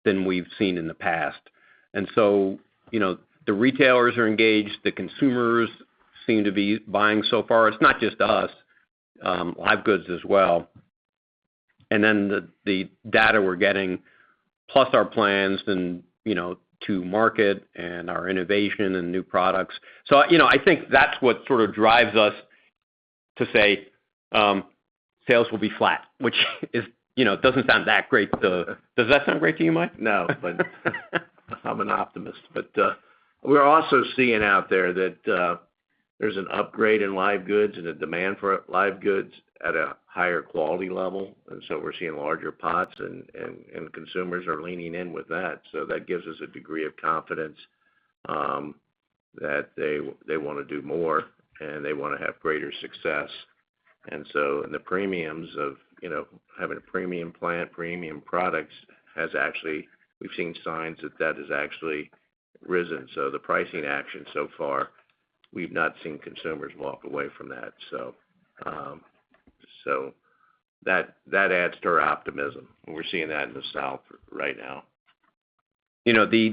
than we've seen in the past. You know, the retailers are engaged, the consumers seem to be buying so far. It's not just us, live goods as well. Then the data we're getting, plus our plans and you know to market and our innovation and new products. You know, I think that's what sort of drives us to say sales will be flat, which is you know doesn't sound that great. Does that sound great to you, Mike? No, I'm an optimist. We're also seeing out there that there's an upgrade in live goods and a demand for live goods at a higher quality level, and so we're seeing larger pots and consumers are leaning in with that. That gives us a degree of confidence that they wanna do more, and they wanna have greater success. The premiums of, you know, having a premium plant, premium products. We've seen signs that has actually risen. The pricing action so far, we've not seen consumers walk away from that. That adds to our optimism. We're seeing that in the South right now. You know, the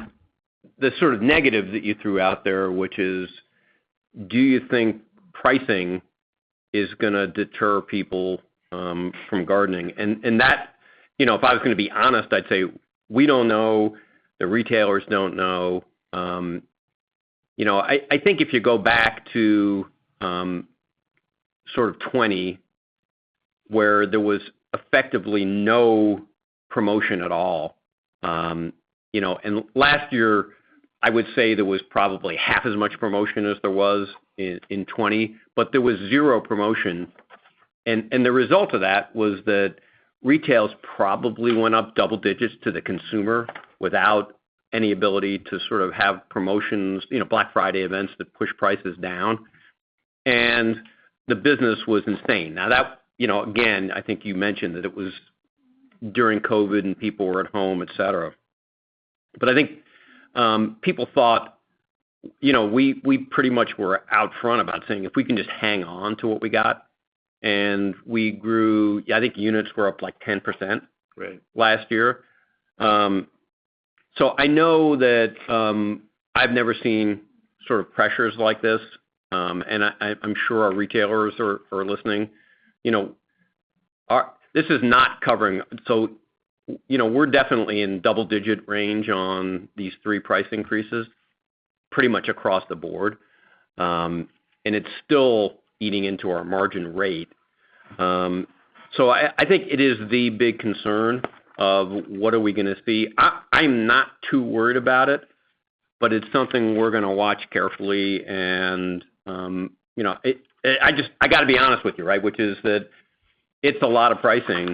sort of negative that you threw out there, which is, do you think pricing is gonna deter people from gardening? That, you know, if I was gonna be honest, I'd say we don't know, the retailers don't know. You know, I think if you go back to sort of 2020 where there was effectively no promotion at all, you know. Last year, I would say there was probably half as much promotion as there was in 2020, but there was zero promotion. The result of that was that retail probably went up double digits to the consumer without any ability to sort of have promotions, you know, Black Friday events that push prices down. The business was insane. Now that, you know, again, I think you mentioned that it was during COVID and people were at home, et cetera. But I think, people thought. You know, we pretty much were out front about saying if we can just hang on to what we got, and we grew. I think units were up, like, 10%. Right last year. I know that, I've never seen sort of pressures like this, and I'm sure our retailers are listening. You know, this is not covering. You know, we're definitely in double-digit range on these three price increases pretty much across the board, and it's still eating into our margin rate. I think it is the big concern of what are we gonna see. I'm not too worried about it, but it's something we're gonna watch carefully and, you know. I just gotta be honest with you, right? Which is that it's a lot of pricing.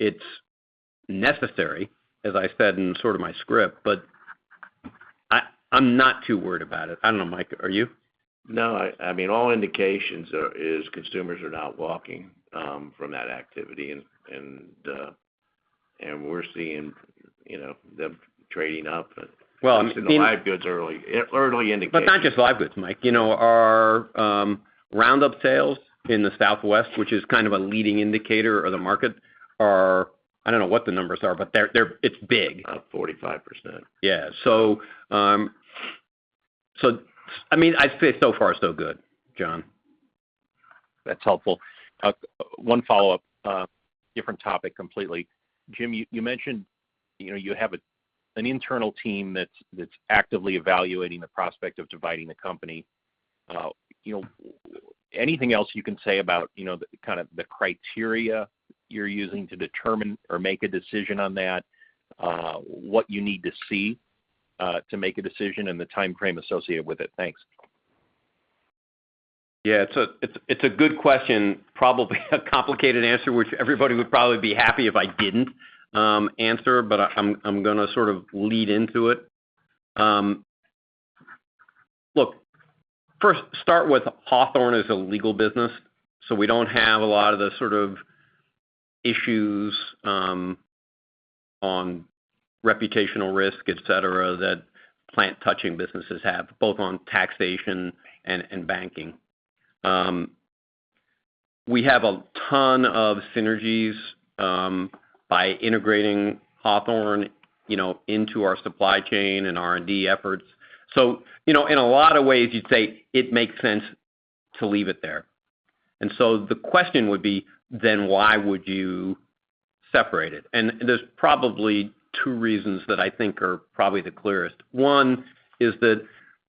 It's necessary, as I said in sort of my script, but I'm not too worried about it. I don't know, Mike, are you? No. I mean, all indications are, is consumers are not walking from that activity and we're seeing, you know, them trading up and- Well, I mean. At least in the live goods, early indications. Not just live goods, Mike. You know, our Roundup sales in the Southwest, which is kind of a leading indicator of the market, are. I don't know what the numbers are, but they're. It's big. About 45%. I mean, I'd say so far so good, John. That's helpful. One follow-up, different topic completely. Jim, you mentioned, you know, you have an internal team that's actively evaluating the prospect of dividing the company. You know, anything else you can say about, you know, the kind of criteria you're using to determine or make a decision on that? What you need to see to make a decision and the timeframe associated with it? Thanks. Yeah, it's a good question. Probably a complicated answer, which everybody would probably be happy if I didn't answer, but I'm gonna sort of lead into it. Look, first start with Hawthorne is a legal business, so we don't have a lot of the sort of issues on reputational risk, et cetera, that plant-touching businesses have, both on taxation and banking. We have a ton of synergies by integrating Hawthorne, you know, into our supply chain and R&D efforts. So, you know, in a lot of ways you'd say it makes sense to leave it there. The question would be, then why would you separate it? There's probably two reasons that I think are probably the clearest. One is that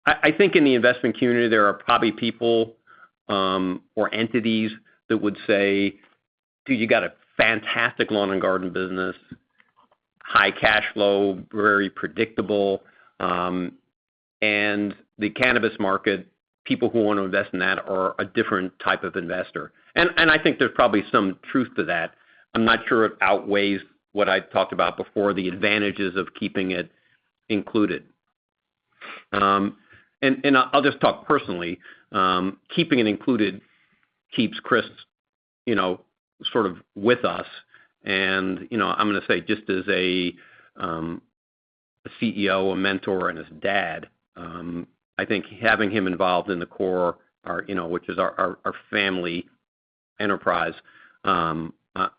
I think in the investment community, there are probably people or entities that would say, "Dude, you got a fantastic lawn and garden business, high cash flow, very predictable." The cannabis market, people who want to invest in that are a different type of investor. I think there's probably some truth to that. I'm not sure it outweighs what I've talked about before, the advantages of keeping it included. I'll just talk personally. Keeping it included keeps Chris, you know, sort of with us and, you know, I'm gonna say just as a CEO, a mentor, and his dad, I think having him involved in the core or, you know, which is our family enterprise,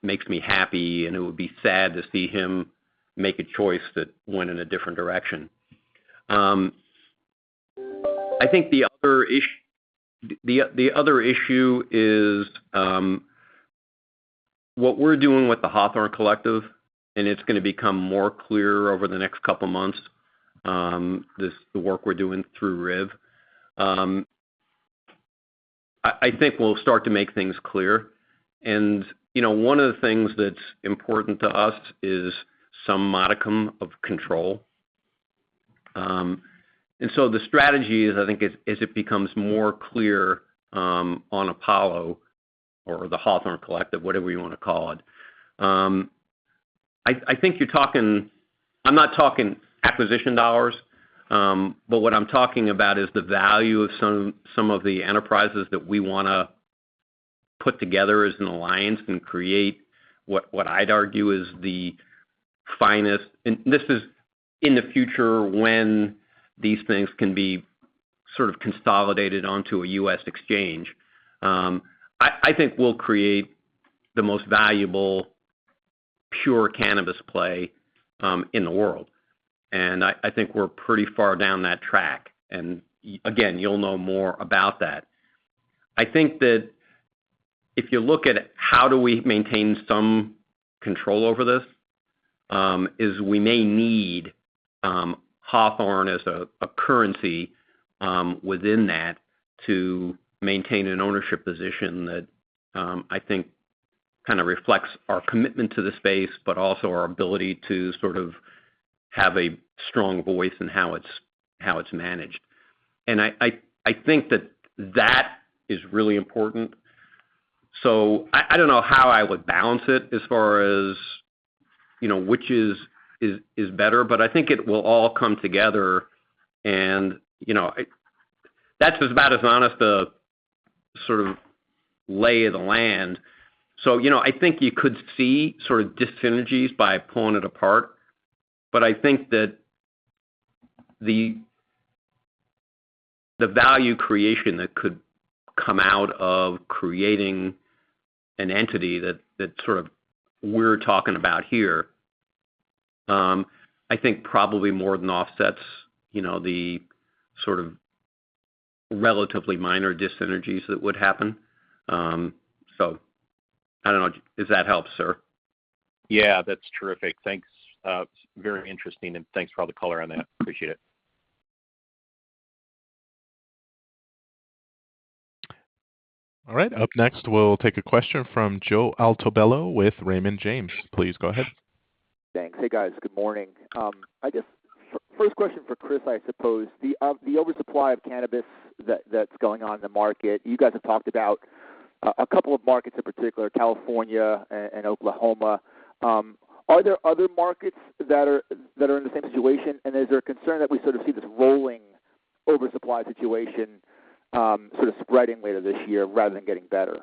makes me happy, and it would be sad to see him make a choice that went in a different direction. I think the other issue is what we're doing with the Hawthorne Collective, and it's gonna become more clear over the next couple of months, the work we're doing through RIV. I think we'll start to make things clear. You know, one of the things that's important to us is some modicum of control. The strategy is, I think, as it becomes more clear on Apollo or the Hawthorne Collective, whatever you wanna call it. I think you're talking. I'm not talking acquisition dollars, but what I'm talking about is the value of some of the enterprises that we wanna put together as an alliance and create what I'd argue is the finest. This is in the future when these things can be sort of consolidated onto a U.S. exchange. I think we'll create the most valuable pure cannabis play in the world. I think we're pretty far down that track, and again, you'll know more about that. I think that if you look at how do we maintain some control over this, is we may need Hawthorne as a currency within that to maintain an ownership position that I think kind of reflects our commitment to the space, but also our ability to sort of have a strong voice in how it's managed. I think that that is really important. I don't know how I would balance it as far as, you know, which is better, but I think it will all come together and, you know. That's about as honest a sort of lay of the land. You know, I think you could see sort of dis-synergies by pulling it apart, but I think that the value creation that could come out of creating an entity that sort of we're talking about here, I think probably more than offsets, you know, the sort of relatively minor dis-synergies that would happen. I don't know. Does that help, sir? Yeah. That's terrific. Thanks. It's very interesting, and thanks for all the color on that. Appreciate it. All right. Up next, we'll take a question from Joe Altobello with Raymond James. Please go ahead. Thanks. Hey, guys. Good morning. I guess first question for Chris, I suppose. The oversupply of cannabis that's going on in the market, you guys have talked about a couple of markets in particular, California and Oklahoma. Are there other markets that are in the same situation? And is there a concern that we sort of see this rolling oversupply situation sort of spreading later this year rather than getting better?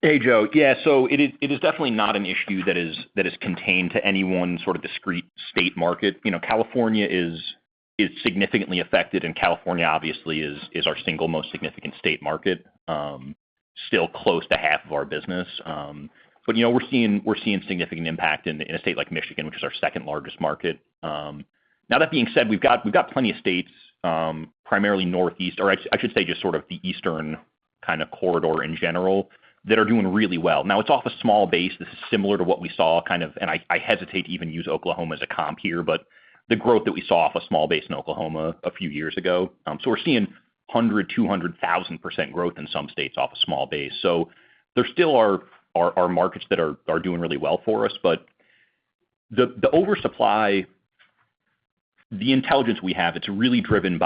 Hey, Joe. Yeah. It is definitely not an issue that is contained to any one sort of discrete state market. You know, California is significantly affected, and California obviously is our single most significant state market, still close to half of our business. You know, we're seeing significant impact in a state like Michigan, which is our second-largest market. Now that being said, we've got plenty of states, primarily Northeast, or I should say just sort of the Eastern kind of corridor in general, that are doing really well. Now, it's off a small base. This is similar to what we saw kind of, and I hesitate to even use Oklahoma as a comp here, but the growth that we saw off a small base in Oklahoma a few years ago. We're seeing 100-200,000% growth in some states off a small base. There still are markets that are doing really well for us. But the oversupply, the intelligence we have, it's really driven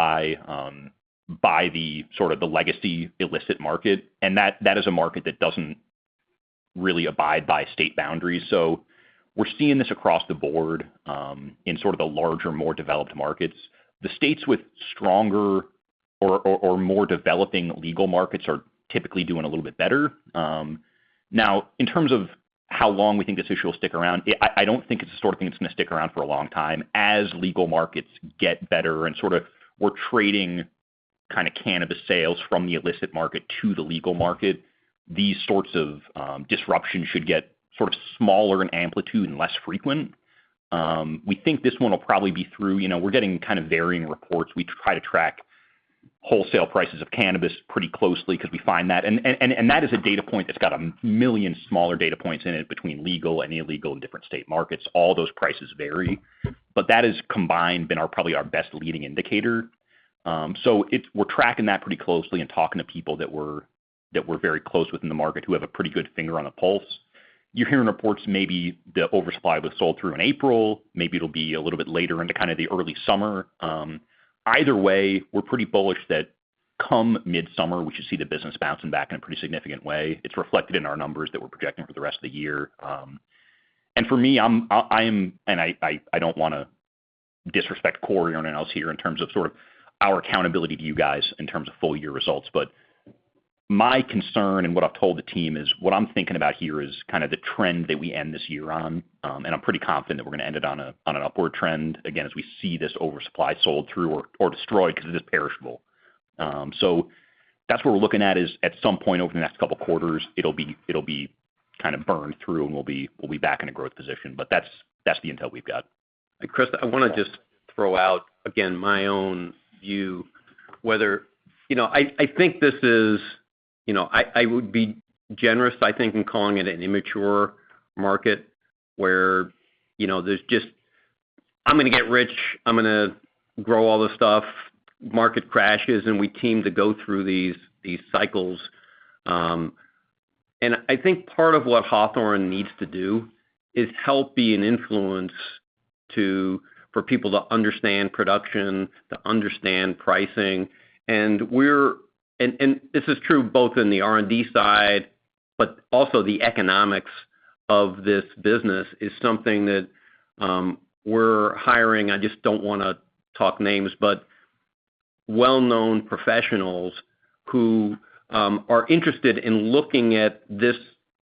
by the sort of the legacy illicit market, and that is a market that doesn't really abide by state boundaries. We're seeing this across the board, in sort of the larger, more developed markets. The states with stronger More developing legal markets are typically doing a little bit better. In terms of how long we think this issue will stick around, I don't think it's the sort of thing that's gonna stick around for a long time. As legal markets get better and sort of we're trading kind of cannabis sales from the illicit market to the legal market, these sorts of disruption should get sort of smaller in amplitude and less frequent. We think this one will probably be through. You know, we're getting kind of varying reports. We try to track wholesale prices of cannabis pretty closely because we find that. That is a data point that's got a million smaller data points in it between legal and illegal in different state markets. All those prices vary. That has combined been our, probably our best leading indicator. We're tracking that pretty closely and talking to people that we're very close with in the market who have a pretty good finger on the pulse. You're hearing reports maybe the oversupply was sold through in April. Maybe it'll be a little bit later into kind of the early summer. Either way, we're pretty bullish that come midsummer, we should see the business bouncing back in a pretty significant way. It's reflected in our numbers that we're projecting for the rest of the year. For me, I am, I don't wanna disrespect Cory or anyone else here in terms of sort of our accountability to you guys in terms of full year results. My concern, and what I've told the team, is what I'm thinking about here is kind of the trend that we end this year on. I'm pretty confident that we're gonna end it on an upward trend, again, as we see this oversupply sold through or destroyed because it is perishable. That's what we're looking at is at some point over the next couple quarters, it'll be kind of burned through, and we'll be back in a growth position. That's the intel we've got. Chris, I wanna just throw out again my own view. You know, I think this is, you know, I would be generous, I think, in calling it an immature market where, you know, there's just, "I'm gonna get rich. I'm gonna grow all this stuff," market crashes, and we seem to go through these cycles. I think part of what Hawthorne needs to do is help be an influence to, for people to understand production, to understand pricing. We're This is true both in the R&D side, but also the economics of this business is something that we're hiring. I just don't wanna talk names, but well-known professionals who are interested in looking at this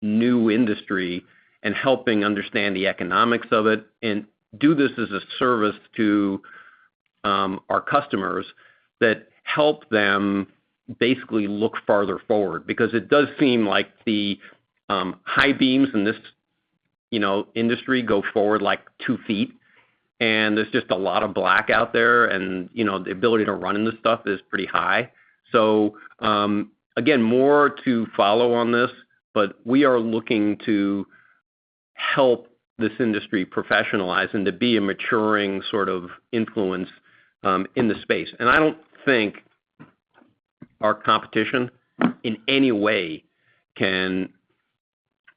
new industry and helping understand the economics of it and do this as a service to our customers that help them basically look farther forward. Because it does seem like the high beams in this, you know, industry go forward, like, two feet, and there's just a lot of black out there, and, you know, the ability to run into stuff is pretty high. Again, more to follow on this, but we are looking to help this industry professionalize and to be a maturing sort of influence in the space. I don't think our competition in any way can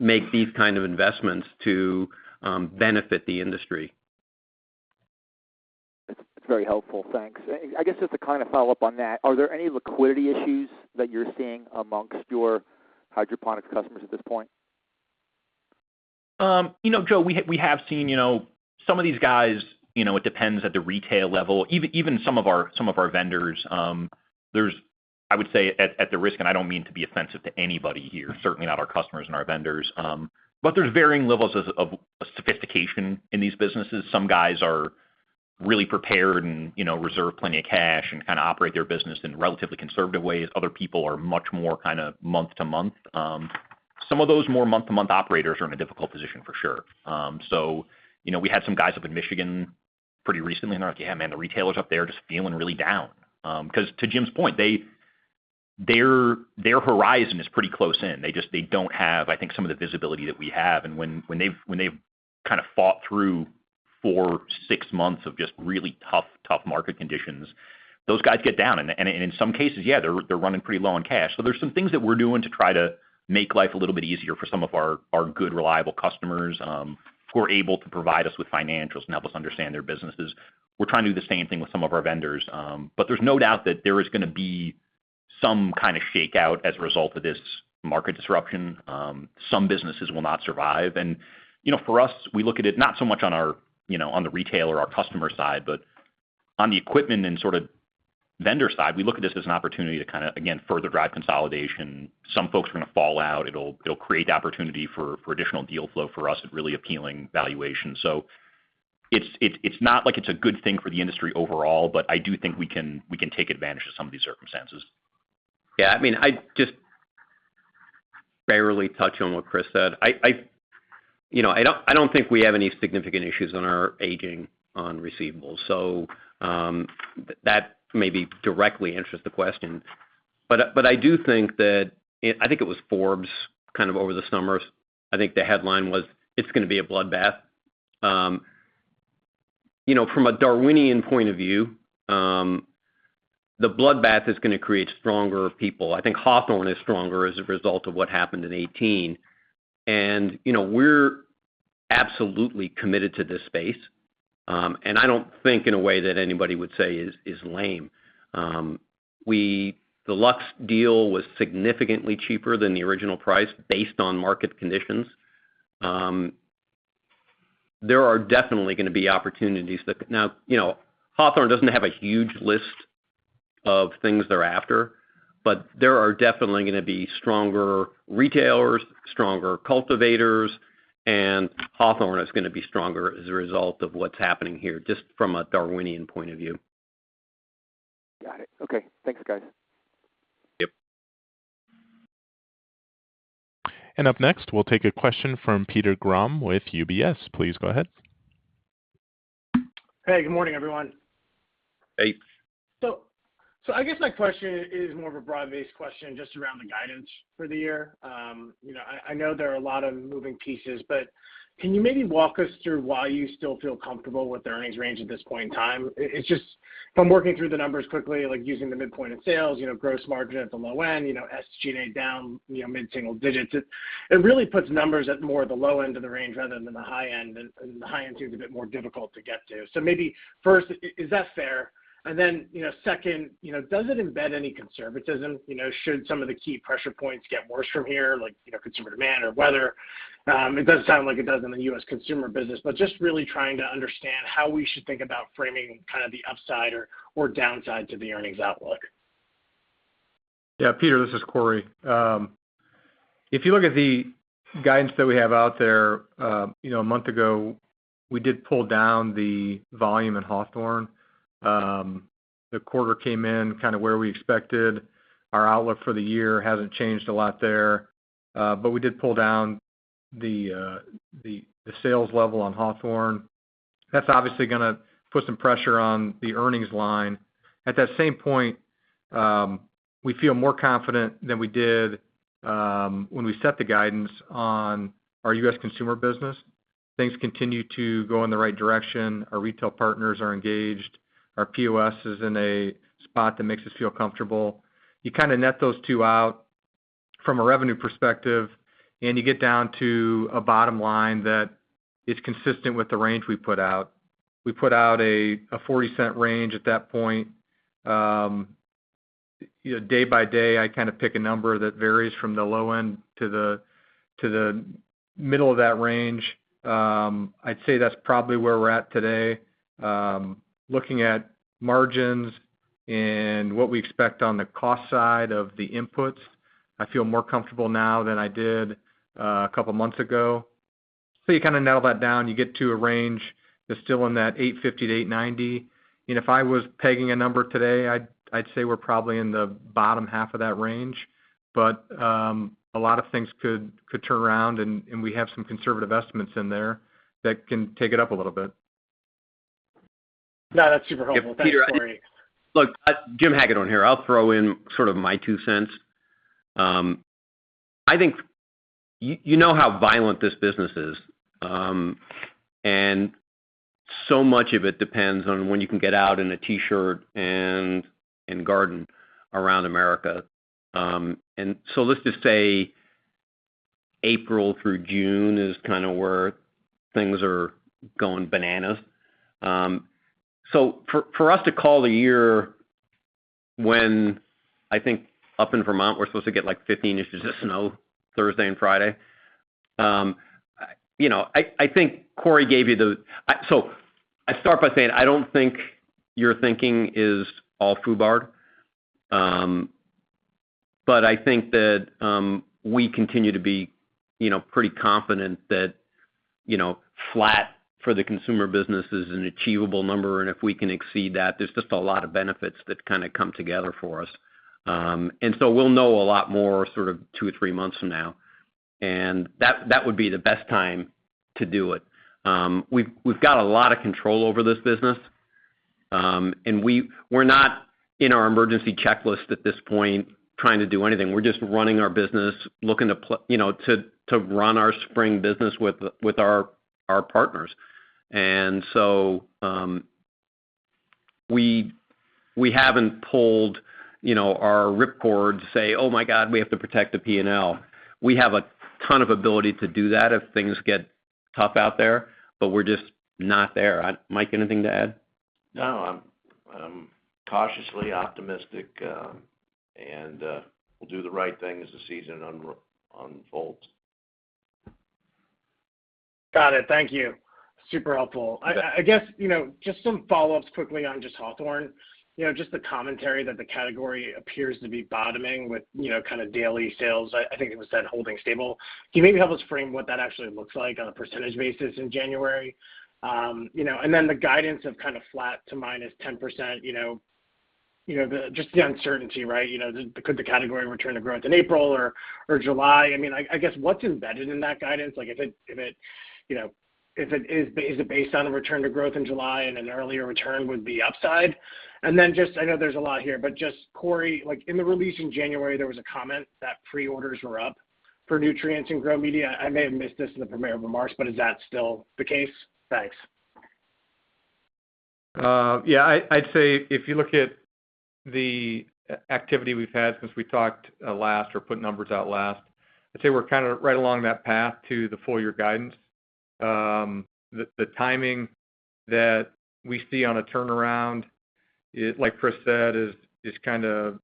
make these kind of investments to benefit the industry. That's very helpful. Thanks. I guess just to kind of follow up on that, are there any liquidity issues that you're seeing among your hydroponics customers at this point? You know, Joe, we have seen, you know, some of these guys, you know, it depends at the retail level. Even some of our vendors, there's, I would say at the risk, and I don't mean to be offensive to anybody here, certainly not our customers and our vendors, but there's varying levels of sophistication in these businesses. Some guys are really prepared and, you know, reserve plenty of cash and kind of operate their business in relatively conservative ways. Other people are much more kind of month to month. Some of those more month to month operators are in a difficult position for sure. You know, we had some guys up in Michigan pretty recently and they're like, "Yeah, man, the retailers up there are just feeling really down." 'Cause to Jim's point, their horizon is pretty close in. They just don't have, I think, some of the visibility that we have. When they've kind of fought through four, six months of just really tough market conditions, those guys get down. In some cases, yeah, they're running pretty low on cash. There's some things that we're doing to try to make life a little bit easier for some of our good, reliable customers who are able to provide us with financials and help us understand their businesses. We're trying to do the same thing with some of our vendors. There's no doubt that there is gonna be some kind of shakeout as a result of this market disruption. Some businesses will not survive. You know, for us, we look at it not so much on our, you know, on the retail or our customer side, but on the equipment and sort of vendor side. We look at this as an opportunity to kind of, again, further drive consolidation. Some folks are gonna fall out. It'll create the opportunity for additional deal flow for us at really appealing valuations. It's not like it's a good thing for the industry overall, but I do think we can take advantage of some of these circumstances. Yeah. I mean, I just barely touch on what Chris said. You know, I don't think we have any significant issues on our aging on receivables. That maybe directly answers the question. I do think that, I think it was Forbes kind of over the summer, I think the headline was, "It's gonna be a bloodbath." You know, from a Darwinian point of view, the bloodbath is gonna create stronger people. I think Hawthorne is stronger as a result of what happened in 2018. You know, we're absolutely committed to this space. I don't think in a way that anybody would say is lame. The Lux deal was significantly cheaper than the original price based on market conditions. There are definitely gonna be opportunities. Now, you know, Hawthorne doesn't have a huge list of things they're after, but there are definitely gonna be stronger retailers, stronger cultivators, and Hawthorne is gonna be stronger as a result of what's happening here, just from a Darwinian point of view. Got it. Okay. Thanks, guys. Yep. Up next, we'll take a question from Peter Grom with UBS. Please go ahead. Hey, good morning, everyone. Hey. I guess my question is more of a broad-based question just around the guidance for the year. I know there are a lot of moving pieces, but can you maybe walk us through why you still feel comfortable with the earnings range at this point in time? It's just from working through the numbers quickly, like using the midpoint of sales, gross margin at the low end, SG&A down mid-single digits. It really puts numbers at more of the low end of the range rather than the high end, and the high end seems a bit more difficult to get to. Maybe first, is that fair? Then, you know, second, you know, does it embed any conservatism, you know, should some of the key pressure points get worse from here, like, you know, consumer demand or weather? It does sound like it does in the U.S. consumer business, but just really trying to understand how we should think about framing kind of the upside or downside to the earnings outlook. Yeah, Peter, this is Cory. If you look at the guidance that we have out there, you know, a month ago, we did pull down the volume in Hawthorne. The quarter came in kind of where we expected. Our outlook for the year hasn't changed a lot there, but we did pull down the sales level on Hawthorne. That's obviously gonna put some pressure on the earnings line. At that same point, we feel more confident than we did when we set the guidance on our U.S. consumer business. Things continue to go in the right direction. Our retail partners are engaged. Our POS is in a spot that makes us feel comfortable. You kinda net those two out from a revenue perspective, and you get down to a bottom line that is consistent with the range we put out. We put out a 40-cent range at that point. You know, day by day, I kind of pick a number that varies from the low end to the middle of that range. I'd say that's probably where we're at today. Looking at margins and what we expect on the cost side of the inputs, I feel more comfortable now than I did a couple of months ago. You kinda nail that down, you get to a range that's still in that $8.50-$8.90. If I was pegging a number today, I'd say we're probably in the bottom half of that range. A lot of things could turn around and we have some conservative estimates in there that can take it up a little bit. No, that's super helpful. Thanks, Corey. Peter, look, Jim Hagedorn here. I'll throw in sort of my two cents. I think you know how violent this business is, and so much of it depends on when you can get out in a T-shirt and garden around America. Let's just say April through June is kinda where things are going bananas. For us to call the year when I think up in Vermont, we're supposed to get like 15 inches of snow Thursday and Friday. You know, I think Cory gave you the. So I start by saying, I don't think your thinking is all FUBAR. I think that we continue to be, you know, pretty confident that, you know, flat for the consumer business is an achievable number, and if we can exceed that, there's just a lot of benefits that kinda come together for us. We'll know a lot more sort of two or three months from now. That would be the best time to do it. We've got a lot of control over this business, and we're not in our emergency checklist at this point trying to do anything. We're just running our business, looking to you know, to run our spring business with our partners. We haven't pulled, you know, our rip cord to say, "Oh my God, we have to protect the P&L." We have a ton of ability to do that if things get tough out there, but we're just not there. Mike, anything to add? No, I'm cautiously optimistic, and we'll do the right thing as the season unfolds. Got it. Thank you. Super helpful. I guess, you know, just some follow-ups quickly on just Hawthorne. You know, just the commentary that the category appears to be bottoming with, you know, kind of daily sales, I think it was said, holding stable. Can you maybe help us frame what that actually looks like on a percentage basis in January? You know, and then the guidance of kind of flat to -10%, you know, just the uncertainty, right? You know, could the category return to growth in April or July? I mean, I guess what's embedded in that guidance? Like if it, you know, is it based on a return to growth in July and an earlier return would be upside? Just I know there's a lot here, but just Cory, like in the release in January, there was a comment that pre-orders were up for nutrients in grow media. I may have missed this in the prepared remarks, but is that still the case? Thanks. Yeah. I'd say if you look at the activity we've had since we talked last or put numbers out last, I'd say we're kind of right along that path to the full year guidance. The timing that we see on a turnaround, like Chris said, is kinda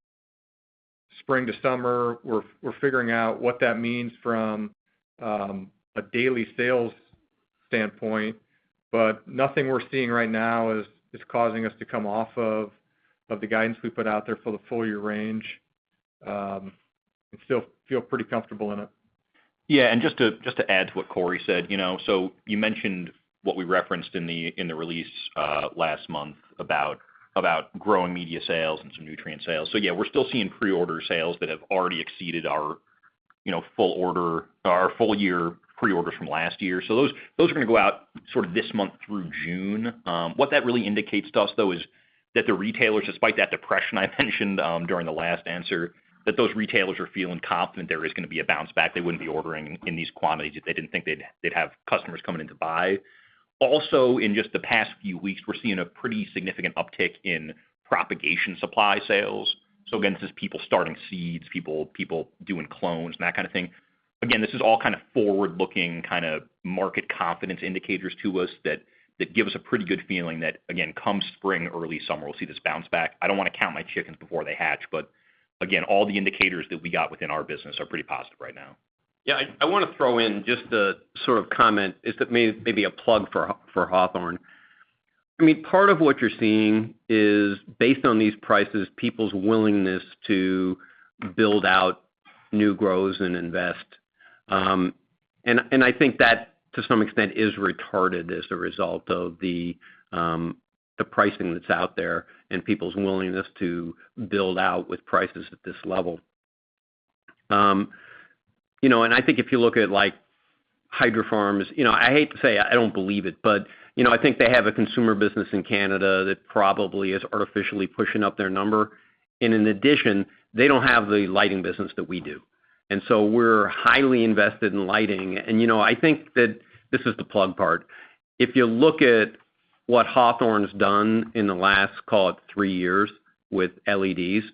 spring to summer. We're figuring out what that means from a daily sales standpoint, but nothing we're seeing right now is causing us to come off of the guidance we put out there for the full year range. We still feel pretty comfortable in it. Yeah. Just to add to what Corey said, you know, so you mentioned what we referenced in the release last month about growing media sales and some nutrient sales. Yeah, we're still seeing pre-order sales that have already exceeded our full year pre-orders from last year. Those are gonna go out sort of this month through June. What that really indicates to us though is that the retailers, despite that depression I mentioned during the last answer, that those retailers are feeling confident there is gonna be a bounce back. They wouldn't be ordering in these quantities if they didn't think they'd have customers coming in to buy. Also, in just the past few weeks, we're seeing a pretty significant uptick in propagation supply sales. Again, this is people starting seeds, people doing clones and that kind of thing. Again, this is all kind of forward-looking, kind of market confidence indicators to us that give us a pretty good feeling that, again, come spring, early summer, we'll see this bounce back. I don't wanna count my chickens before they hatch, but again, all the indicators that we got within our business are pretty positive right now. Yeah. I wanna throw in just to sort of comment. It's maybe a plug for Hawthorne. I mean, part of what you're seeing is based on these prices, people's willingness to build out new grows and invest. I think that to some extent is retarded as a result of the pricing that's out there and people's willingness to build out with prices at this level. You know, I think if you look at like Hydrofarm, you know, I hate to say I don't believe it, but you know, I think they have a consumer business in Canada that probably is artificially pushing up their number. In addition, they don't have the lighting business that we do. You know, I think that this is the plug part. If you look at what Hawthorne's done in the last, call it three years, with LEDs,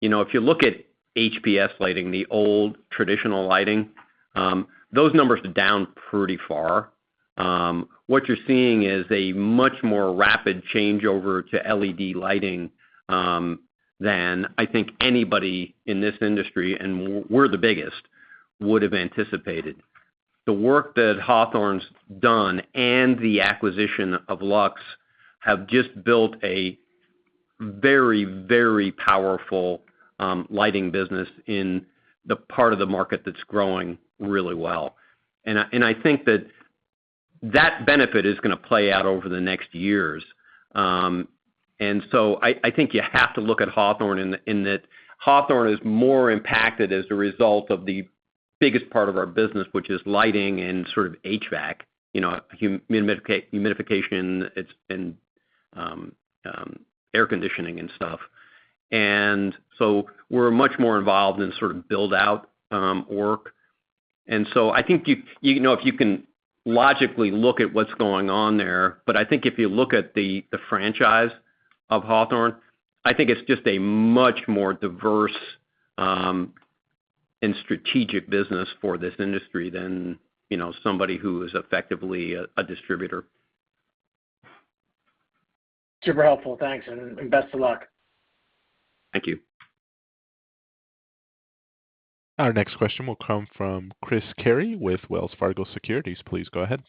you know, if you look at HPS lighting, the old traditional lighting, those numbers are down pretty far. What you're seeing is a much more rapid changeover to LED lighting than I think anybody in this industry, and we're the biggest, would've anticipated. The work that Hawthorne's done and the acquisition of Luxx have just built a very, very powerful lighting business in the part of the market that's growing really well. I think that benefit is gonna play out over the next years. I think you have to look at Hawthorne in that Hawthorne is more impacted as a result of the biggest part of our business, which is lighting and sort of HVAC, you know, humidification. It's been air conditioning and stuff. We're much more involved in sort of build out work. I think you know if you can logically look at what's going on there, but I think if you look at the franchise of Hawthorne, I think it's just a much more diverse and strategic business for this industry than you know somebody who is effectively a distributor. Super helpful. Thanks, and best of luck. Thank you. Our next question will come from Christopher Carey with Wells Fargo Securities. Please go ahead.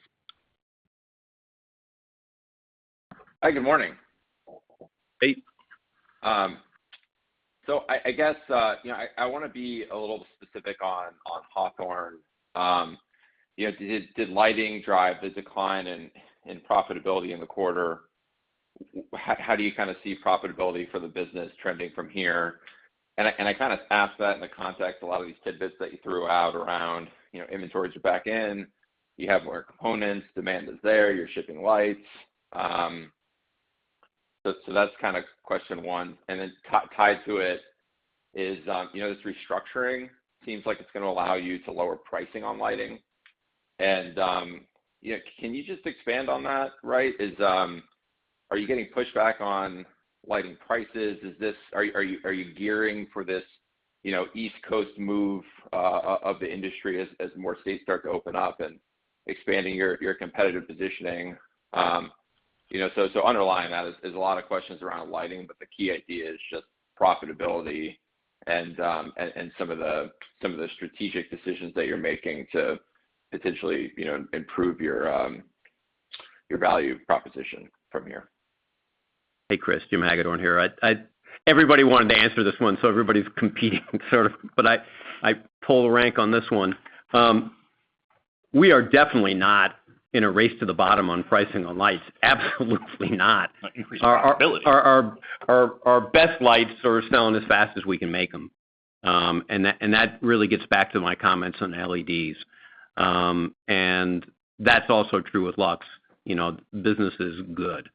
Hi, good morning. Hey. I guess you know I wanna be a little specific on Hawthorne. You know, did lighting drive the decline in profitability in the quarter? How do you kinda see profitability for the business trending from here? I kind of ask that in the context, a lot of these tidbits that you threw out around, you know, inventories are back in, you have more components, demand is there, you're shipping lights. That's kinda question one. Then tied to it is, you know, this restructuring seems like it's gonna allow you to lower pricing on lighting and, you know, can you just expand on that, right? Are you getting pushback on lighting prices? Are you gearing for this, you know, East Coast move of the industry as more states start to open up and expanding your competitive positioning? You know, underlying that is a lot of questions around lighting, but the key idea is just profitability and some of the strategic decisions that you're making to potentially, you know, improve your value proposition from here. Hey, Chris, Jim Hagedorn here. Everybody wanted to answer this one, so everybody's competing, sort of, but I pull the rank on this one. We are definitely not in a race to the bottom on pricing on lights. Absolutely not. Increased profitability. Our best lights are selling as fast as we can make them. That really gets back to my comments on LEDs. That's also true with Luxx. You know, business is good.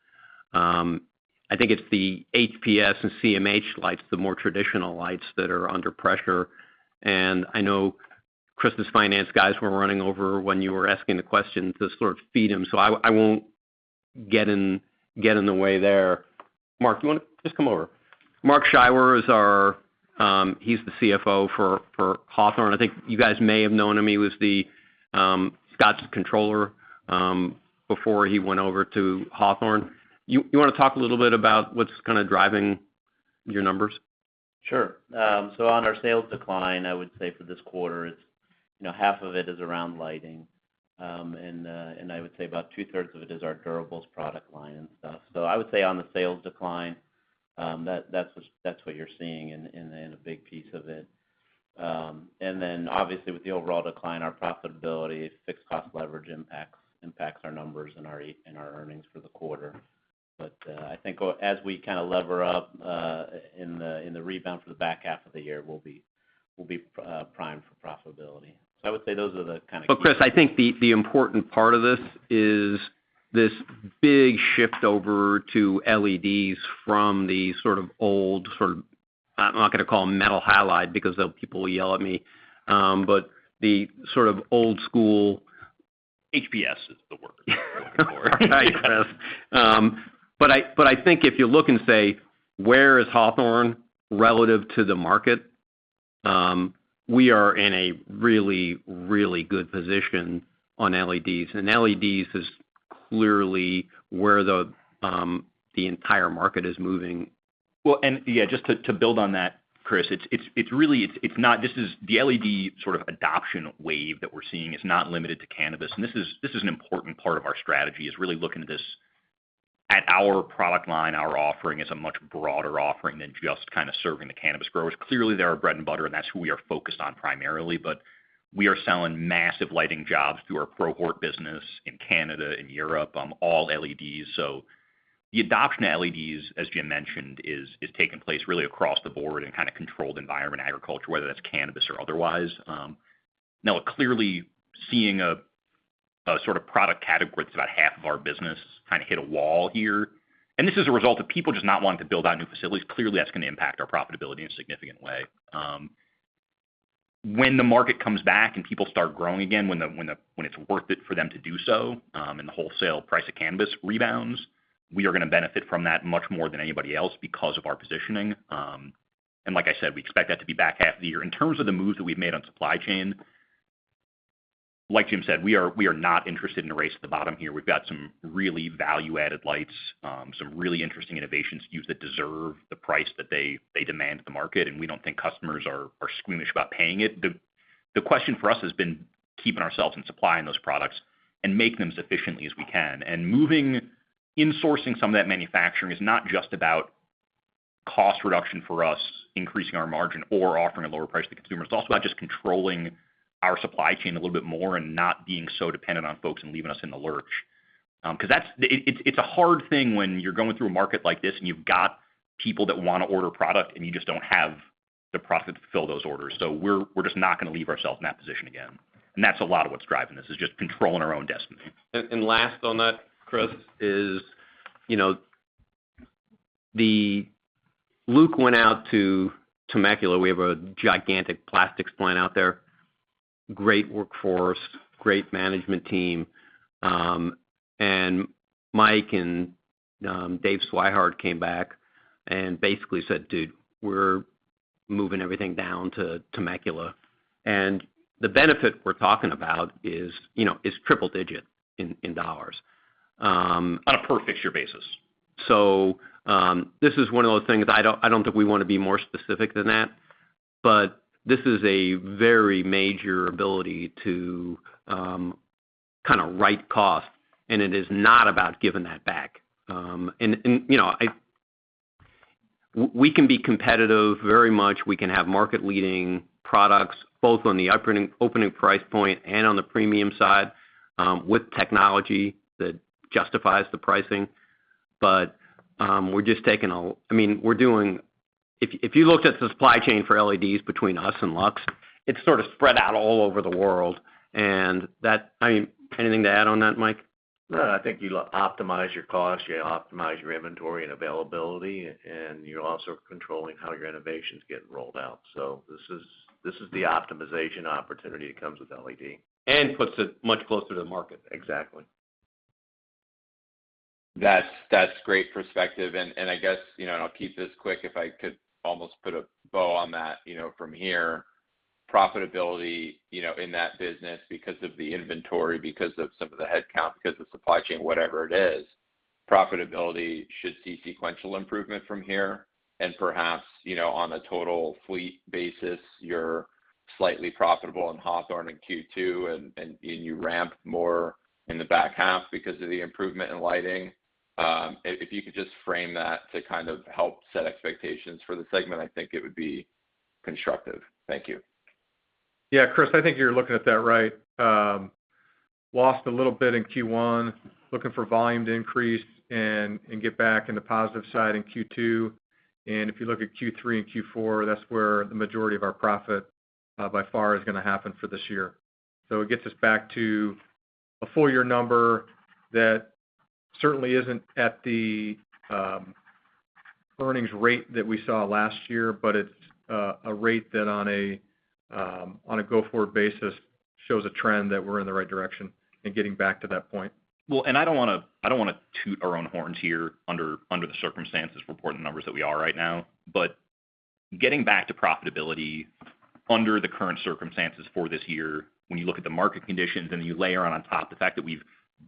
I think it's the HPS and CMH lights, the more traditional lights that are under pressure. I know Chris' finance guys were running over when you were asking the question to sort of feed him. So I won't get in the way there. Mark, you wanna just come over? Mark Scheiwer is our, he's the CFO for Hawthorne. I think you guys may have known him. He was the Scotts controller before he went over to Hawthorne. You wanna talk a little bit about what's kinda driving your numbers? Sure. On our sales decline, I would say for this quarter, it's you know half of it is around lighting. I would say about two-thirds of it is our durables product line and stuff. On the sales decline, that's what you're seeing in a big piece of it. Obviously with the overall decline, our profitability, fixed cost leverage impacts our numbers and our earnings for the quarter. I think as we kinda lever up in the rebound for the back half of the year, we'll be primed for profitability. I would say those are the kind of Chris, I think the important part of this is this big shift over to LEDs from the sort of old, I'm not gonna call them metal halide because then people will yell at me, but the sort of old school- HPS is the word you're looking for. Yes. I think if you look and say, where is Hawthorne relative to the market, we are in a really, really good position on LEDs. LEDs is clearly where the entire market is moving. Well, yeah, just to build on that, Chris, this is the LED sort of adoption wave that we're seeing is not limited to cannabis. This is an important part of our strategy, is really looking at this at our product line, our offering is a much broader offering than just kind of serving the cannabis growers. Clearly, they're our bread and butter, and that's who we are focused on primarily, but we are selling massive lighting jobs through our ProHort business in Canada, in Europe, all LEDs. The adoption of LEDs, as Jim mentioned, is taking place really across the board in kind of controlled environment agriculture, whether that's cannabis or otherwise. We're now clearly seeing a sort of product category that's about half of our business kind of hit a wall here. This is a result of people just not wanting to build out new facilities. Clearly, that's gonna impact our profitability in a significant way. When the market comes back and people start growing again, when it's worth it for them to do so, and the wholesale price of cannabis rebounds, we are gonna benefit from that much more than anybody else because of our positioning. Like I said, we expect that to be back half of the year. In terms of the moves that we've made on supply chain, like Jim said, we are not interested in a race to the bottom here. We've got some really value-added lights, some really interesting innovations used that deserve the price that they demand to the market, and we don't think customers are squeamish about paying it. The question for us has been keeping ourselves in supply in those products and make them as efficiently as we can. Moving insourcing some of that manufacturing is not just about cost reduction for us, increasing our margin or offering a lower price to consumers. It's also about just controlling our supply chain a little bit more and not being so dependent on folks and leaving us in the lurch. 'Cause that's a hard thing when you're going through a market like this and you've got people that wanna order product and you just don't have the product to fill those orders. We're just not gonna leave ourselves in that position again. That's a lot of what's driving this, is just controlling our own destiny. Last on that, Chris, is you know the Lukemire went out to Temecula. We have a gigantic plastics plant out there, great workforce, great management team. Mike and David Swihart came back and basically said, "Dude, we're moving everything down to Temecula." The benefit we're talking about is you know triple digit in dollars. On a per fixture basis. This is one of those things I don't think we wanna be more specific than that. This is a very major ability to kinda right cost, and it is not about giving that back. You know, we can be competitive very much. We can have market leading products both on the opening price point and on the premium side with technology that justifies the pricing. I mean, if you looked at the supply chain for LEDs between us and Luxx, it's sort of spread out all over the world. I mean, anything to add on that, Mike? No, I think you optimize your costs, you optimize your inventory and availability, and you're also controlling how your innovations get rolled out. This is the optimization opportunity that comes with LED. Puts it much closer to the market. Exactly. That's great perspective. I guess, you know, I'll keep this quick, if I could almost put a bow on that, you know, from here, profitability, you know, in that business because of the inventory, because of some of the headcount, because of supply chain, whatever it is, profitability should see sequential improvement from here. Perhaps, you know, on a total fleet basis, you're slightly profitable in Hawthorne in Q2, and you ramp more in the back half because of the improvement in lighting. If you could just frame that to kind of help set expectations for the segment, I think it would be constructive. Thank you. Yeah. Chris, I think you're looking at that right. Lost a little bit in Q1, looking for volume to increase and get back in the positive side in Q2. If you look at Q3 and Q4, that's where the majority of our profit by far is gonna happen for this year. It gets us back to a full year number that certainly isn't at the earnings rate that we saw last year, but it's a rate that on a go-forward basis shows a trend that we're in the right direction and getting back to that point. Well, I don't wanna toot our own horns here under the circumstances, reporting the numbers that we are right now, but Getting back to profitability under the current circumstances for this year, when you look at the market conditions and you layer on top the fact that we've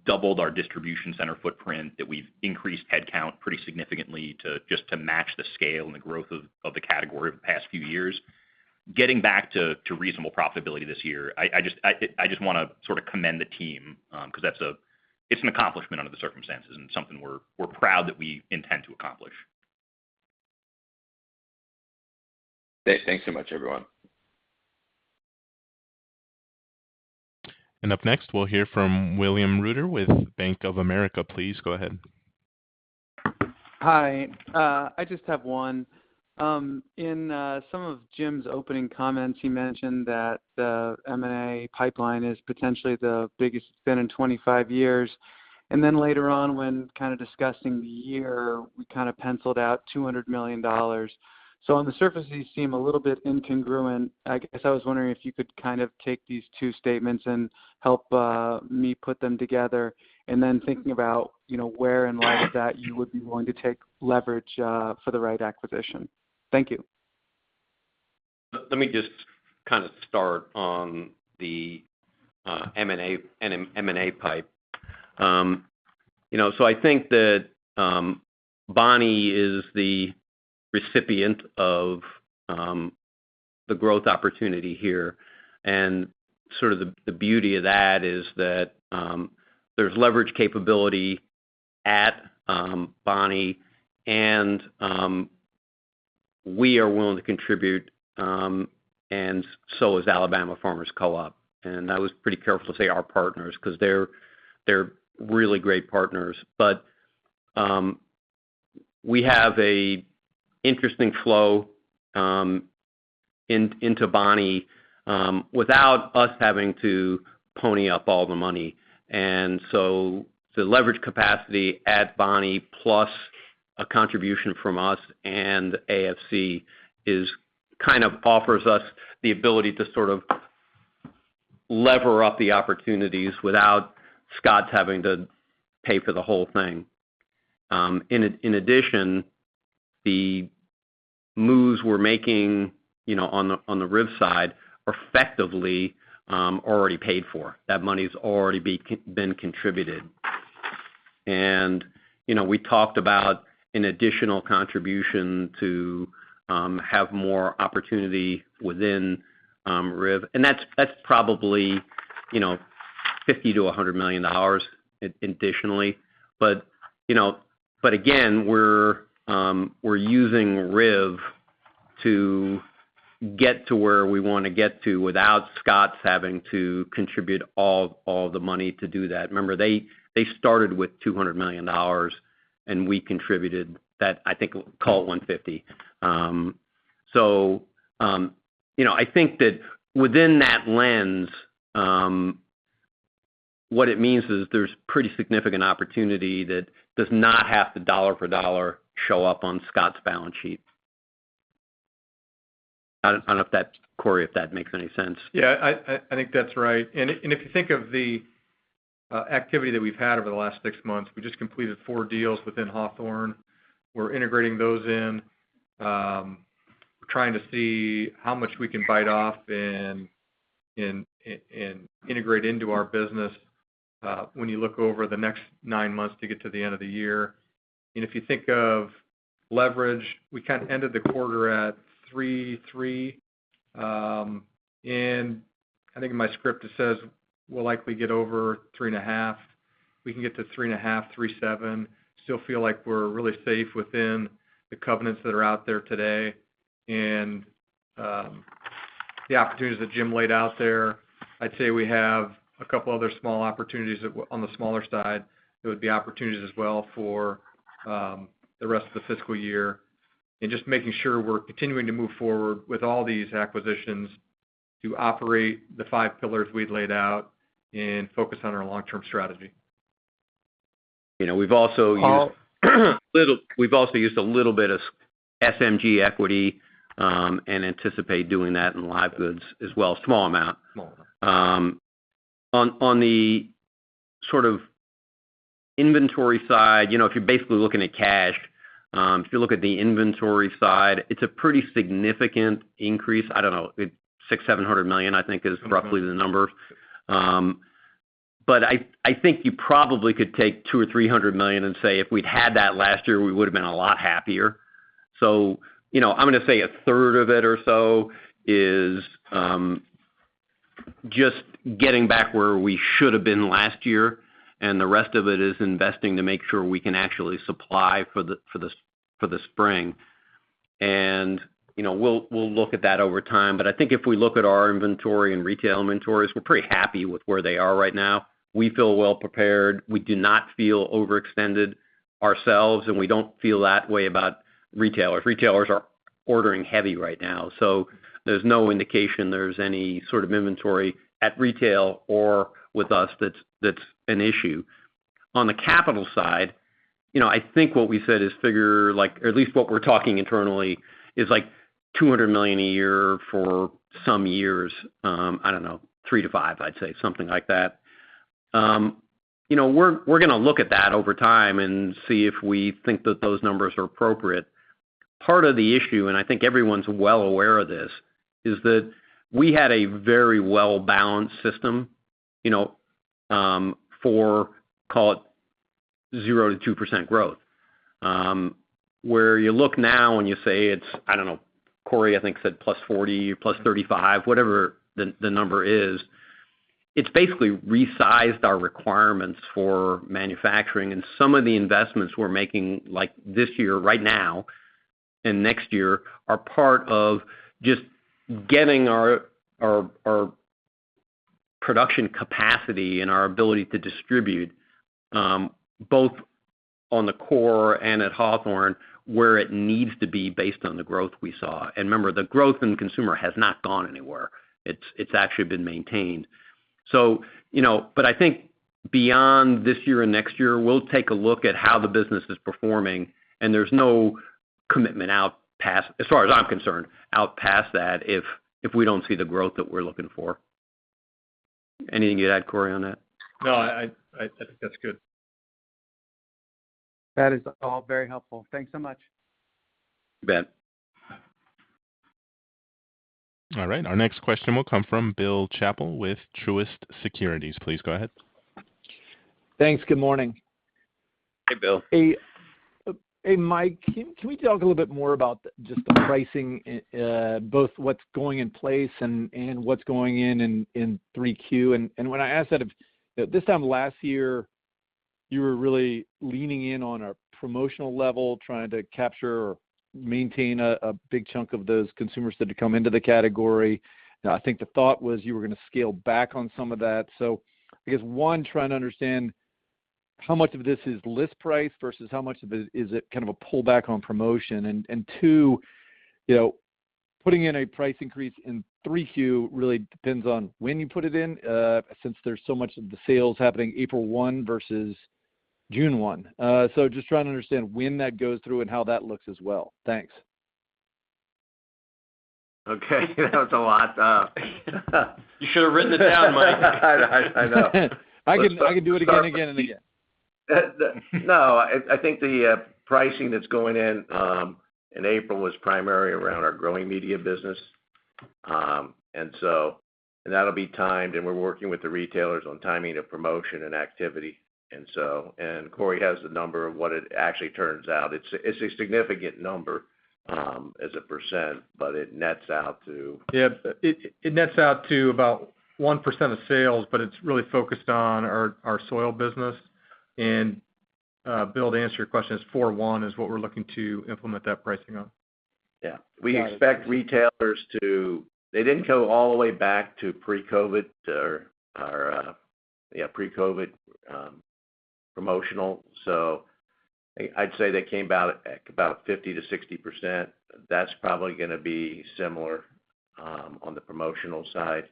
doubled our distribution center footprint, that we've increased headcount pretty significantly just to match the scale and the growth of the category over the past few years. Getting back to reasonable profitability this year, I just wanna sort of commend the team, because that's an accomplishment under the circumstances and something we're proud that we intend to accomplish. Thanks so much, everyone. Up next, we'll hear from William Reuter with Bank of America. Please go ahead. Hi. I just have one. In some of Jim's opening comments, he mentioned that the M&A pipeline is potentially the biggest it's been in 25 years. Then later on, when kind of discussing the year, we kind of penciled out $200 million. On the surface, these seem a little bit incongruent. I guess I was wondering if you could kind of take these two statements and help me put them together. Then thinking about, you know, where in light of that you would be willing to take leverage for the right acquisition. Thank you. Let me just kind of start on the M&A pipe. You know, I think that Bonnie is the recipient of the growth opportunity here. Sort of the beauty of that is that there's leverage capability at Bonnie and we are willing to contribute, and so is Alabama Farmers Co-op. I was pretty careful to say our partners because they're really great partners. We have an interesting flow into Bonnie without us having to pony up all the money. The leverage capacity at Bonnie plus a contribution from us and AFC kind of offers us the ability to sort of lever up the opportunities without Scotts having to pay for the whole thing. In addition, the moves we're making, you know, on the Riv side are effectively already paid for. That money's already been contributed. We talked about an additional contribution to have more opportunity within Riv. That's probably, you know, $50-$100 million additionally. We're using Riv to get to where we wanna get to without Scotts having to contribute all the money to do that. Remember, they started with $200 million, and we contributed that, I think, call it $150. You know, I think that within that lens, what it means is there's pretty significant opportunity that does not have to dollar for dollar show up on Scotts balance sheet. I don't know if that makes any sense, Cory. Yeah. I think that's right. If you think of the activity that we've had over the last 6 months, we just completed 4 deals within Hawthorne. We're integrating those in, trying to see how much we can bite off and integrate into our business, when you look over the next 9 months to get to the end of the year. If you think of leverage, we kind of ended the quarter at 3.3, and I think in my script it says we'll likely get over 3.5. We can get to 3.5, 3.7, still feel like we're really safe within the covenants that are out there today. The opportunities that Jim laid out there, I'd say we have a couple other small opportunities on the smaller side. There would be opportunities as well for the rest of the fiscal year, and just making sure we're continuing to move forward with all these acquisitions to operate the five pillars we'd laid out and focus on our long-term strategy. You know, we've also used a little bit of SMG equity, and anticipate doing that in live goods as well, small amount. Small amount. On the sort of inventory side, you know, if you look at the inventory side, it's a pretty significant increase. I don't know, $600 million-$700 million, I think is roughly the number. I think you probably could take $200 million-$300 million and say, if we'd had that last year, we would have been a lot happier. You know, I'm gonna say a third of it or so is just getting back where we should have been last year, and the rest of it is investing to make sure we can actually supply for the spring. You know, we'll look at that over time. I think if we look at our inventory and retail inventories, we're pretty happy with where they are right now. We feel well prepared. We do not feel overextended ourselves, and we don't feel that way about retailers. Retailers are ordering heavy right now, so there's no indication there's any sort of inventory at retail or with us that's an issue. On the capital side, you know, I think what we said is figure like, or at least what we're talking internally is like $200 million a year for some years, I don't know, 3-5, I'd say, something like that. You know, we're gonna look at that over time and see if we think that those numbers are appropriate. Part of the issue, and I think everyone's well aware of this, is that we had a very well-balanced system, you know, for call it 0%-2% growth. Where you look now and you say it's, I don't know, Corey, I think said +40% or +35%, whatever the number is, it's basically resized our requirements for manufacturing. Some of the investments we're making like this year right now and next year are part of just getting our production capacity and our ability to distribute, both on the core and at Hawthorne, where it needs to be based on the growth we saw. Remember, the growth in consumer has not gone anywhere. It's actually been maintained. You know, but I think beyond this year and next year, we'll take a look at how the business is performing, and there's no commitment out past, as far as I'm concerned, out past that if we don't see the growth that we're looking for. Anything to add, Corey, on that? No, I think that's good. That is all very helpful. Thanks so much. You bet. All right. Our next question will come from Bill Chappell with Truist Securities. Please go ahead. Thanks. Good morning. Hey, Bill. Hey, Mike, can we talk a little bit more about just the pricing, both what's going in place and what's going in 3Q? When I ask that, this time last year, you were really leaning in on a promotional level trying to capture or maintain a big chunk of those consumers that had come into the category. Now, I think the thought was you were gonna scale back on some of that. I guess, one, trying to understand how much of this is list price versus how much of it is kind of a pullback on promotion? Two, you know, putting in a price increase in 3Q really depends on when you put it in, since there's so much of the sales happening April 1 versus June 1. Just trying to understand when that goes through and how that looks as well. Thanks. Okay. That was a lot. You should have written it down, Mike. I know. I can do it again and again and again. No, I think the pricing that's going in in April was primarily around our growing media business. That'll be timed, and we're working with the retailers on timing of promotion and activity. Cory has the number of what it actually turns out. It's a significant number as a percent, but it nets out to, Yeah, about 1% of sales, but it's really focused on our soil business. Bill, to answer your question, it's 4/1 is what we're looking to implement that pricing on. We expect retailers to. They didn't go all the way back to pre-COVID promotional. I'd say they came about at about 50%-60%. That's probably gonna be similar on the promotional side.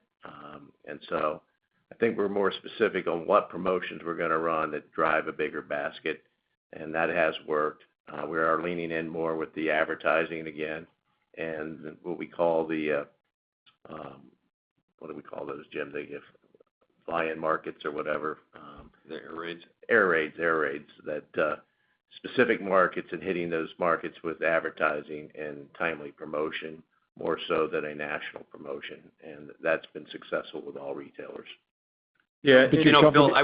I think we're more specific on what promotions we're gonna run that drive a bigger basket, and that has worked. We are leaning in more with the advertising again and what we call the air raids that specific markets and hitting those markets with advertising and timely promotion more so than a national promotion, and that's been successful with all retailers. Yeah. You know, Bill, I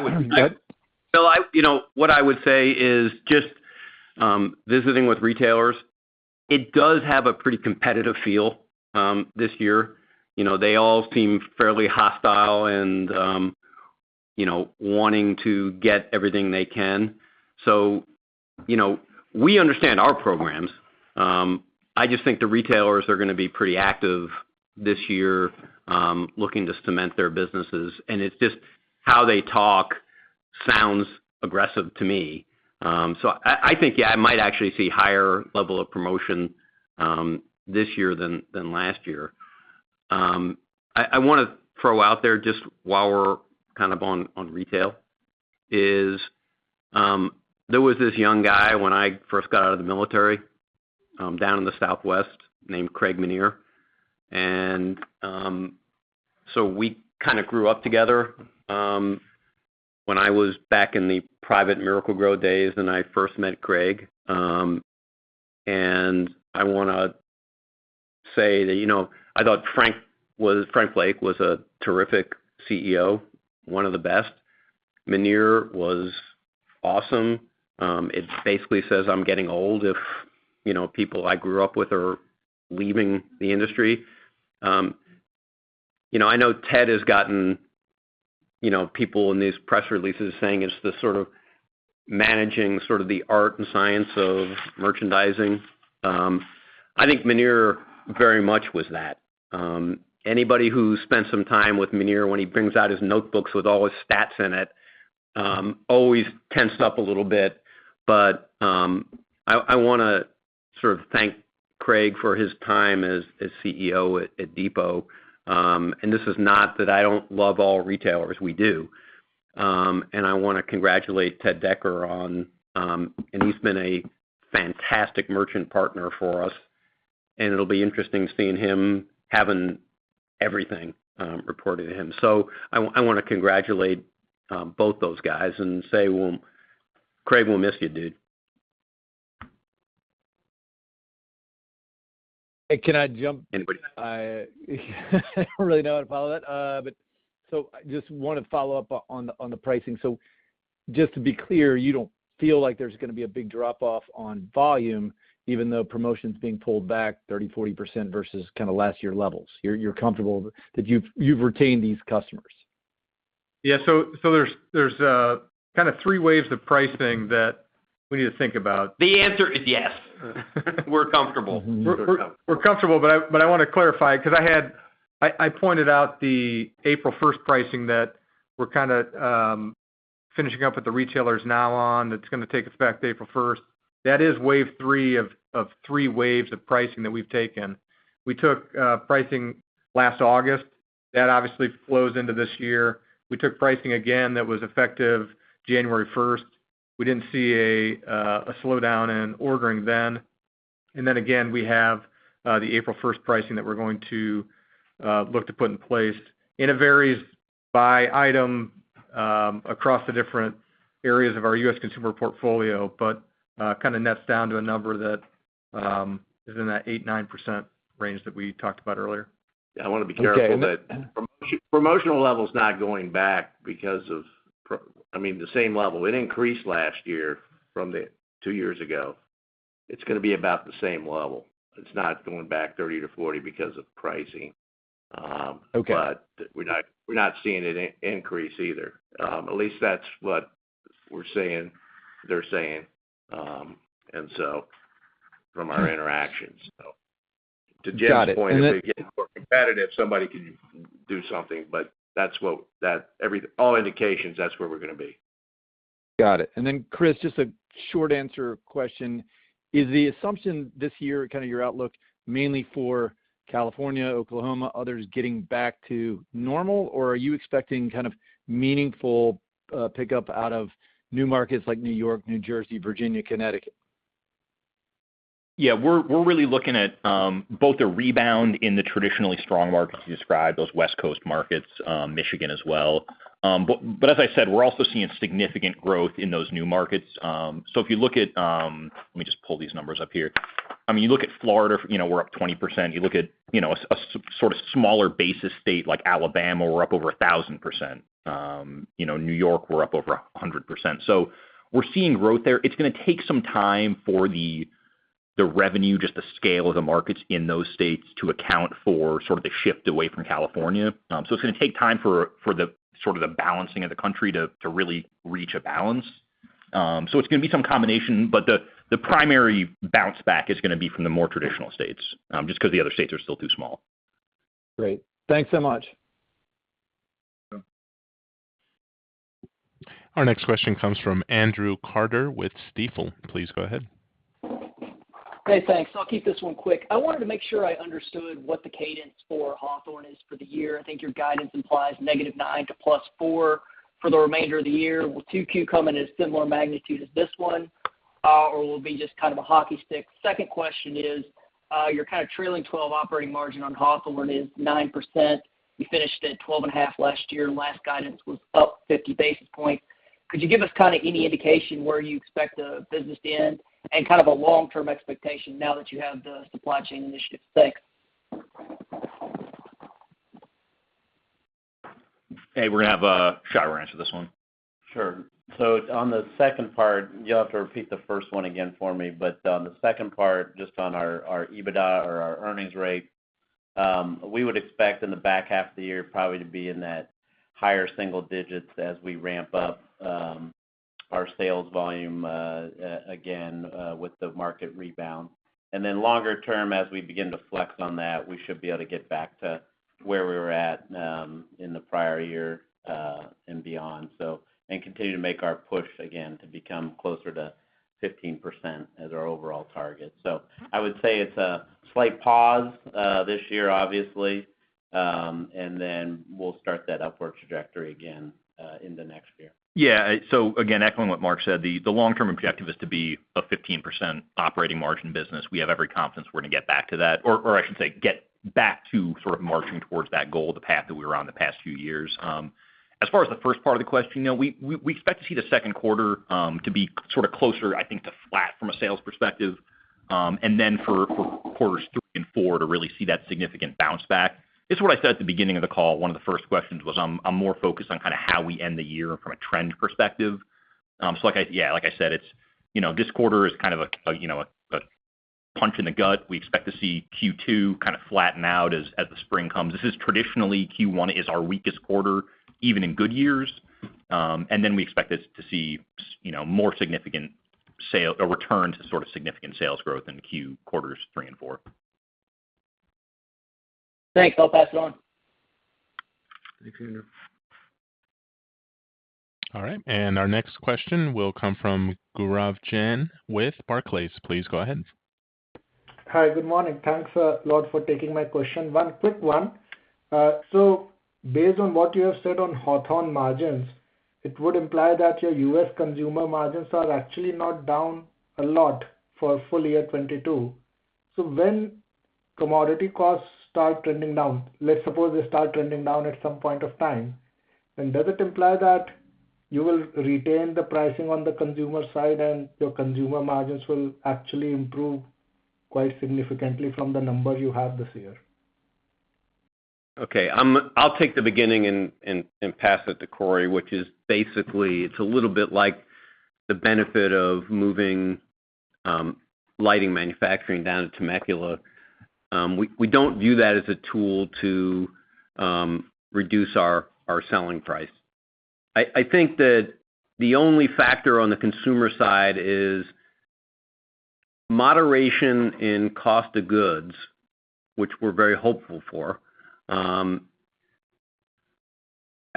would say is just visiting with retailers, it does have a pretty competitive feel this year. You know, they all seem fairly hostile and you know, wanting to get everything they can. You know, we understand our programs. I just think the retailers are gonna be pretty active this year, looking to cement their businesses. It's just how they talk sounds aggressive to me. I think, yeah, I might actually see higher level of promotion this year than last year. I wanna throw out there just while we're kind of on retail is, there was this young guy when I first got out of the military, down in the southwest named Craig Menear. We kind of grew up together, when I was back in the private Miracle-Gro days, and I first met Craig. I wanna say that, you know, I thought Frank was. Frank Blake was a terrific CEO, one of the best. Menear was awesome. It basically says I'm getting old if, you know, people I grew up with are leaving the industry. You know, I know Ted has gotten, you know, people in these press releases saying it's the sort of managing the art and science of merchandising. I think Menear very much was that. Anybody who spent some time with Menear when he brings out his notebooks with all his stats in it always tensed up a little bit. I wanna sort of thank Craig for his time as CEO at Depot. This is not that I don't love all retailers. We do. I wanna congratulate Ted Decker. He's been a fantastic merchant partner for us. It'll be interesting seeing him having everything reported to him. I wanna congratulate both those guys and say, well, Craig, we'll miss you, dude. Hey, can I jump? Anybody. I really don't know how to follow that. Just wanted to follow up on the pricing. Just to be clear, you don't feel like there's gonna be a big drop off on volume even though promotion's being pulled back 30%-40% versus kinda last year levels. You're comfortable that you've retained these customers. Yeah. There's kinda three waves of pricing that we need to think about. The answer is yes. We're comfortable. We're comfortable, but I wanna clarify 'cause I pointed out the April first pricing that we're kinda finishing up with the retailers now on. That's gonna take us back to April first. That is wave 3 of 3 waves of pricing that we've taken. We took pricing last August. That obviously flows into this year. We took pricing again that was effective January first. We didn't see a slowdown in ordering then. Then again, we have the April first pricing that we're going to look to put in place. It varies by item across the different areas of our U.S. consumer portfolio, but kinda nets down to a number that is in that 8%-9% range that we talked about earlier. Okay. I wanna be careful that promotional level is not going back. I mean, the same level. It increased last year from two years ago. It's gonna be about the same level. It's not going back 30%-40% because of pricing. Okay... but we're not seeing an increase either. At least that's what we're saying, they're saying, and from our interactions. To Jim's point- Got it. If they get more competitive, somebody can do something, but all indications, that's where we're gonna be. Got it. Chris, just a short answer question. Is the assumption this year, kinda your outlook mainly for California, Oklahoma, others getting back to normal, or are you expecting kind of meaningful pickup out of new markets like New York, New Jersey, Virginia, Connecticut? Yeah. We're really looking at both the rebound in the traditionally strong markets you described, those West Coast markets, Michigan as well. But as I said, we're also seeing significant growth in those new markets. So if you look at... Let me just pull these numbers up here. I mean, you look at Florida, you know, we're up 20%. You look at, you know, a sort of smaller base state like Alabama, we're up over 1,000%. You know, New York, we're up over 100%. So we're seeing growth there. It's gonna take some time for the revenue, just the scale of the markets in those states to account for sort of the shift away from California. It's gonna take time for the sort of balancing of the country to really reach a balance. It's gonna be some combination, but the primary bounce back is gonna be from the more traditional states, just 'cause the other states are still too small. Great. Thanks so much. Yeah. Our next question comes from W. Andrew Carter with Stifel. Please go ahead. Hey, thanks. I'll keep this one quick. I wanted to make sure I understood what the cadence for Hawthorne is for the year. I think your guidance implies -9% to +4% for the remainder of the year. Will 2Q come in as similar magnitude as this one, or will it be just kind of a hockey stick? Second question is, your kind of trailing twelve operating margin on Hawthorne is 9%. You finished at 12.5% last year, and last guidance was up 50 basis points. Could you give us kinda any indication where you expect the business to end and kind of a long-term expectation now that you have the supply chain initiatives? Thanks. Hey, we're gonna have, Mark Scheiwer answer this one. Sure. On the second part, you'll have to repeat the first one again for me. On the second part, just on our EBITDA or our earnings rate, we would expect in the back half of the year probably to be in that higher single digits% as we ramp up our sales volume again with the market rebound. Then longer term, as we begin to flex on that, we should be able to get back to where we were at in the prior year and beyond, and continue to make our push again to become closer to 15% as our overall target. I would say it's a slight pause this year, obviously, and then we'll start that upward trajectory again in the next year. Yeah. Again, echoing what Mark said, the long-term objective is to be a 15% operating margin business. We have every confidence we're gonna get back to that, or I should say, get back to sort of marching towards that goal, the path that we were on the past few years. As far as the first part of the question, you know, we expect to see the second quarter to be sort of closer, I think, to flat from a sales perspective, and then for quarters 3 and 4 to really see that significant bounce back. It's what I said at the beginning of the call, one of the first questions was, I'm more focused on kinda how we end the year from a trend perspective. So like I Yeah, like I said, you know, this quarter is kind of a punch in the gut. We expect to see Q2 kinda flatten out as the spring comes. This is traditionally Q1, our weakest quarter, even in good years. We expect to see, you know, more significant sales or return to sort of significant sales growth in quarters three and four. Thanks. I'll pass it on. Thank you. All right. Our next question will come from Gaurav Jain with Barclays. Please go ahead. Hi. Good morning. Thanks a lot for taking my question. One quick one. Based on what you have said on Hawthorne margins It would imply that your U.S. consumer margins are actually not down a lot for full year 2022. When commodity costs start trending down, let's suppose they start trending down at some point of time, then does it imply that you will retain the pricing on the consumer side and your consumer margins will actually improve quite significantly from the number you have this year? Okay. I'll take the beginning and pass it to Corey, which is basically it's a little bit like the benefit of moving lighting manufacturing down to Temecula. We don't view that as a tool to reduce our selling price. I think that the only factor on the consumer side is moderation in cost of goods, which we're very hopeful for. I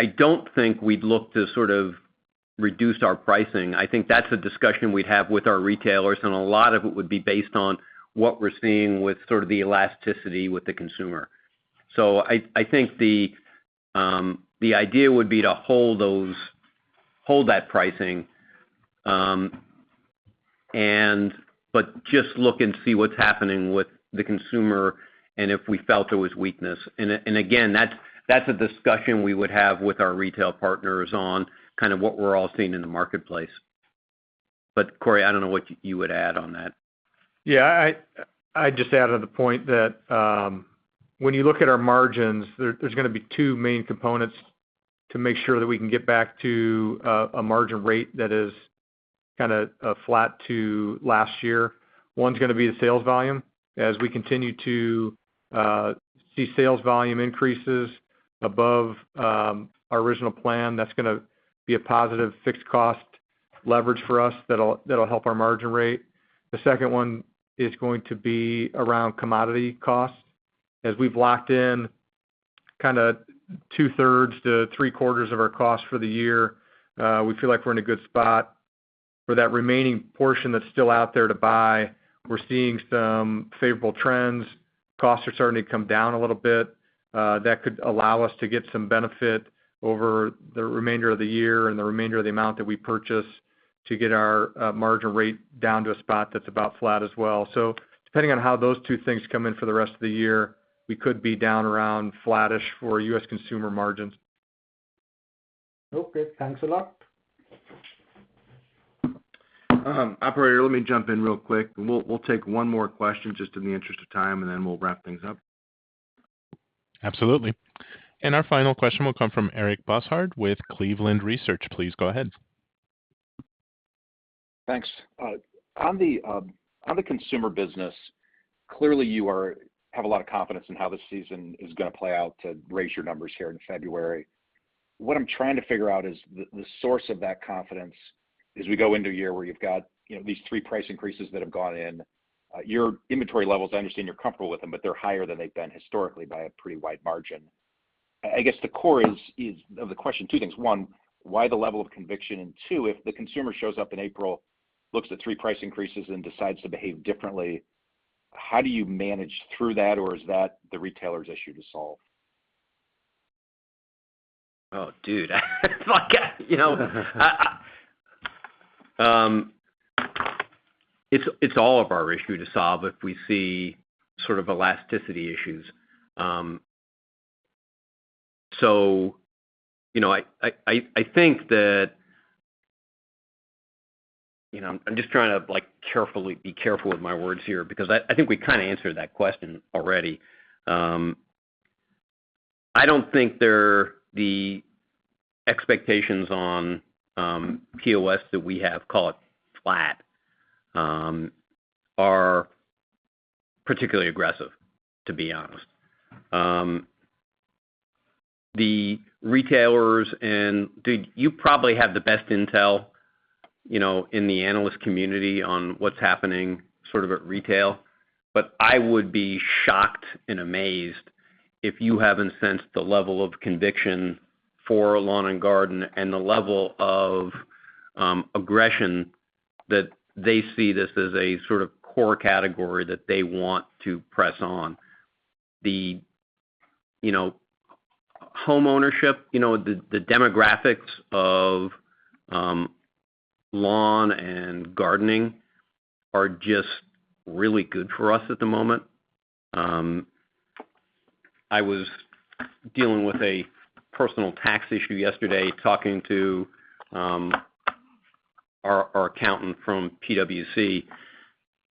don't think we'd look to sort of reduce our pricing. I think that's a discussion we'd have with our retailers, and a lot of it would be based on what we're seeing with sort of the elasticity with the consumer. I think the idea would be to hold that pricing and but just look and see what's happening with the consumer, and if we felt there was weakness. Again, that's a discussion we would have with our retail partners on kind of what we're all seeing in the marketplace. Cory, I don't know what you would add on that. Yeah. I'd just add on to the point that when you look at our margins, there's gonna be two main components to make sure that we can get back to a margin rate that is kinda flat to last year. One's gonna be the sales volume. As we continue to see sales volume increases above our original plan, that's gonna be a positive fixed cost leverage for us that'll help our margin rate. The second one is going to be around commodity costs. As we've locked in kinda two-thirds to three-quarters of our cost for the year, we feel like we're in a good spot. For that remaining portion that's still out there to buy, we're seeing some favorable trends. Costs are starting to come down a little bit. That could allow us to get some benefit over the remainder of the year and the remainder of the amount that we purchase to get our margin rate down to a spot that's about flat as well. Depending on how those two things come in for the rest of the year, we could be down around flattish for U.S. consumer margins. Okay. Thanks a lot. Operator, let me jump in real quick. We'll take one more question just in the interest of time, and then we'll wrap things up. Absolutely. Our final question will come from Eric Bosshard with Cleveland Research. Please go ahead. Thanks. On the consumer business, clearly you have a lot of confidence in how this season is gonna play out to raise your numbers here in February. What I'm trying to figure out is the source of that confidence as we go into a year where you've got, you know, these three price increases that have gone in. Your inventory levels, I understand you're comfortable with them, but they're higher than they've been historically by a pretty wide margin. I guess the core is the question, two things. One, why the level of conviction? And two, if the consumer shows up in April, looks at three price increases and decides to behave differently, how do you manage through that? Or is that the retailer's issue to solve? You know, homeownership, you know, the demographics of lawn and gardening are just really good for us at the moment. I was dealing with a personal tax issue yesterday, talking to our accountant from PwC,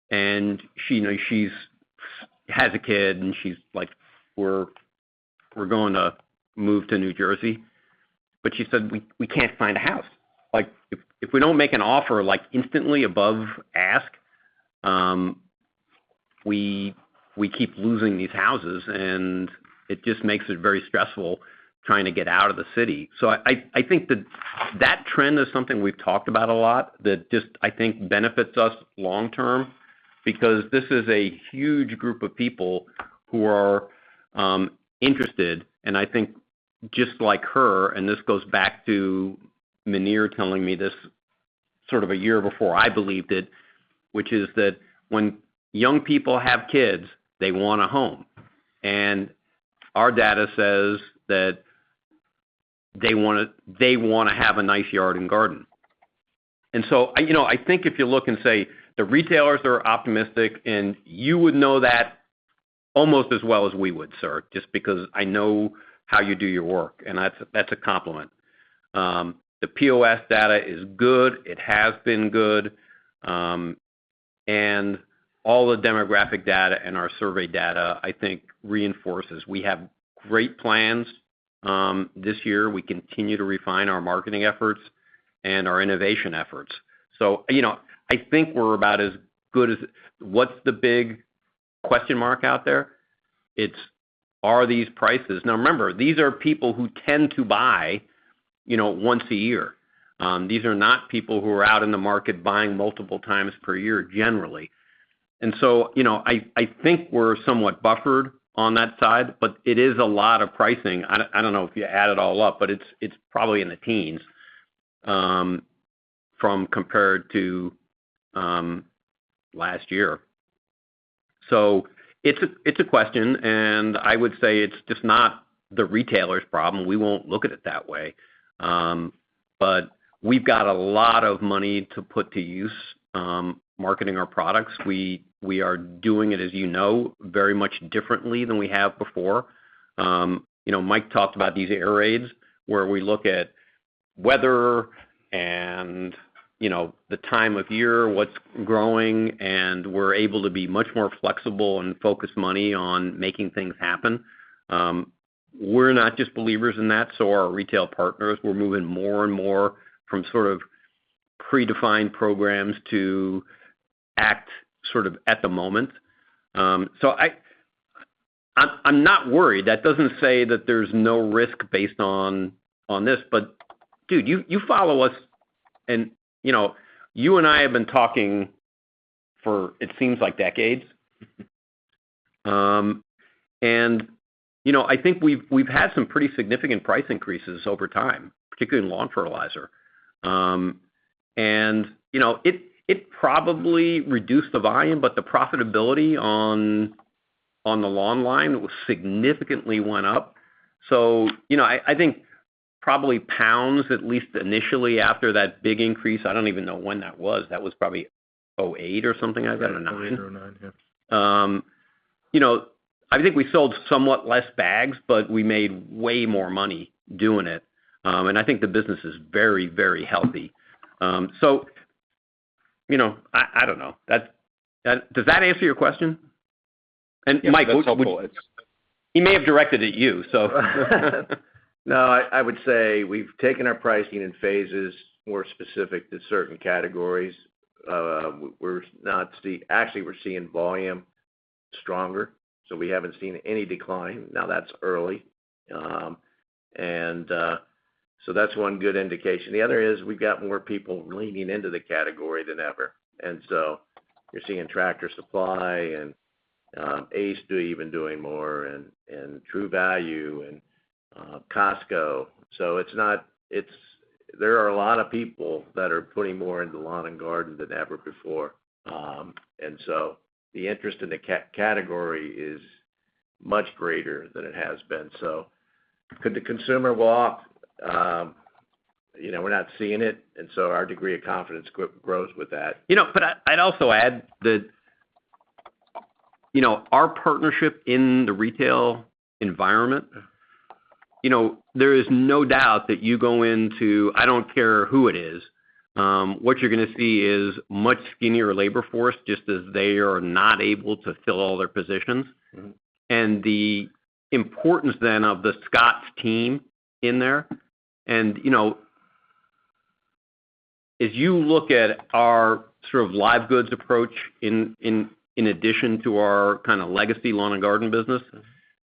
and she has a kid and she's like, "We're going to move to New Jersey." But she said, "We can't find a house. Like, if we don't make an offer like instantly above ask, we keep losing these houses, and it just makes it very stressful trying to get out of the city." I think that trend is something we've talked about a lot that just, I think, benefits us long term because this is a huge group of people who are interested. I think just like her, and this goes back to Menear telling me this sort of a year before I believed it, which is that when young people have kids, they want a home. Our data says that they wanna have a nice yard and garden. You know, I think if you look and say the retailers are optimistic, and you would know that almost as well as we would, sir, just because I know how you do your work, and that's a compliment. The POS data is good. It has been good. All the demographic data and our survey data, I think reinforces. We have great plans this year. We continue to refine our marketing efforts and our innovation efforts. You know, I think we're about as good as. What's the big question mark out there? Are these prices? Now, remember, these are people who tend to buy, you know, once a year. These are not people who are out in the market buying multiple times per year, generally. You know, I think we're somewhat buffered on that side, but it is a lot of pricing. I don't know if you add it all up, but it's probably in the teens compared to last year. It's a question, and I would say it's just not the retailer's problem. We won't look at it that way. But we've got a lot of money to put to use marketing our products. We are doing it, as you know, very much differently than we have before. You know, Mike talked about these air raids where we look at weather and, you know, the time of year, what's growing, and we're able to be much more flexible and focus money on making things happen. We're not just believers in that, so are our retail partners. We're moving more and more from sort of predefined programs to act sort of at the moment. I'm not worried. That doesn't say that there's no risk based on this. Dude, you follow us and, you know, you and I have been talking for it seems like decades. You know, I think we've had some pretty significant price increases over time, particularly in lawn fertilizer. You know, it probably reduced the volume, but the profitability on the lawn line was significantly went up. You know, I think probably pounds at least initially after that big increase, I don't even know when that was. That was probably 2008 or something like that or 2009. 2009, yeah. You know, I think we sold somewhat less bags, but we made way more money doing it. I think the business is very, very healthy. You know, I don't know. Does that answer your question? Mike- That's helpful. He may have directed at you, so. No, I would say we've taken our pricing in phases more specific to certain categories. Actually, we're seeing volumes stronger, so we haven't seen any decline. Now that's early. That's one good indication. The other is we've got more people leaning into the category than ever. You're seeing Tractor Supply and Ace even doing more and True Value and Costco. There are a lot of people that are putting more into lawn and garden than ever before. The interest in the category is much greater than it has been. Could the consumer walk? You know, we're not seeing it, and so our degree of confidence grows with that. You know, I'd also add that, you know, our partnership in the retail environment, you know, there is no doubt that you go into, I don't care who it is, what you're gonna see is much skinnier labor force, just as they are not able to fill all their positions. Mm-hmm. The importance then of the Scotts team in there, and, you know, as you look at our sort of live goods approach in addition to our kinda legacy lawn and garden business,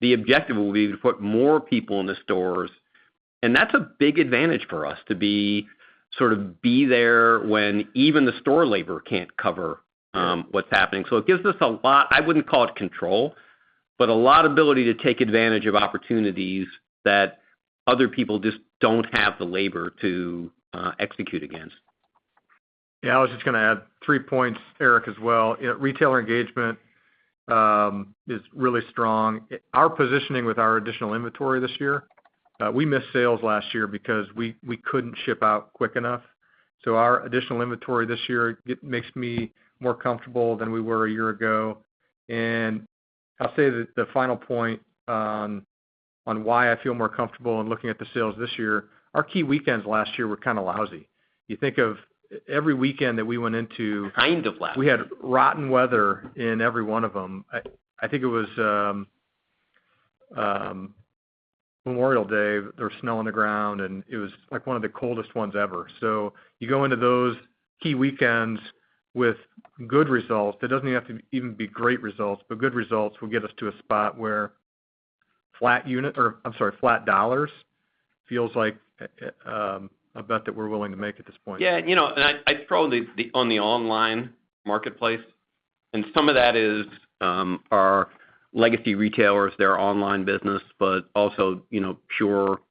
the objective will be to put more people in the stores, and that's a big advantage for us to be, sort of be there when even the store labor can't cover what's happening. It gives us a lot, I wouldn't call it control, but a lot of ability to take advantage of opportunities that other people just don't have the labor to execute against. Yeah. I was just gonna add three points, Eric, as well. Retailer engagement is really strong. Our positioning with our additional inventory this year, we missed sales last year because we couldn't ship out quick enough. Our additional inventory this year, it makes me more comfortable than we were a year ago. I'll say that the final point on why I feel more comfortable in looking at the sales this year, our key weekends last year were kinda lousy. You think of every weekend that we went into- Kind of lousy. We had rotten weather in every one of them. I think it was Memorial Day, there was snow on the ground, and it was like one of the coldest ones ever. You go into those key weekends with good results, it doesn't even have to be great results, but good results will get us to a spot where flat unit, or I'm sorry, flat dollars feels like a bet that we're willing to make at this point. Yeah, you know, I probably on the online marketplace, and some of that is our legacy retailers, their online business, but also, you know, pure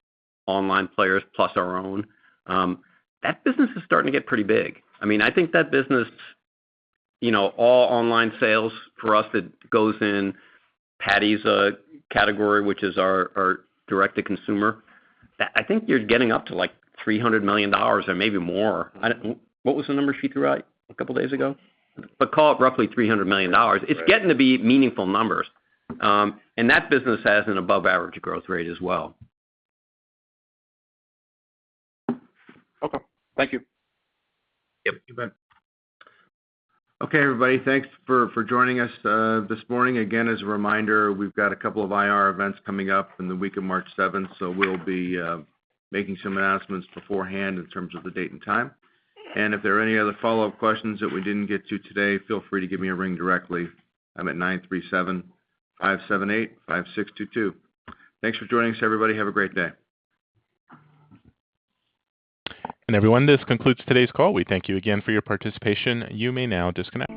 online players plus our own, that business is starting to get pretty big. I mean, I think that business, you know, all online sales for us that goes in Patty's category, which is our direct to consumer, I think you're getting up to like $300 million or maybe more. I don't know. What was the number she threw out a couple days ago? But call it roughly $300 million. Right. It's getting to be meaningful numbers. That business has an above average growth rate as well. Okay. Thank you. Yep. You bet. Okay, everybody, thanks for joining us this morning. Again, as a reminder, we've got a couple of IR events coming up in the week of March seventh, so we'll be making some announcements beforehand in terms of the date and time. If there are any other follow-up questions that we didn't get to today, feel free to give me a ring directly. I'm at 937-578-5622. Thanks for joining us, everybody. Have a great day. Everyone, this concludes today's call. We thank you again for your participation. You may now disconnect.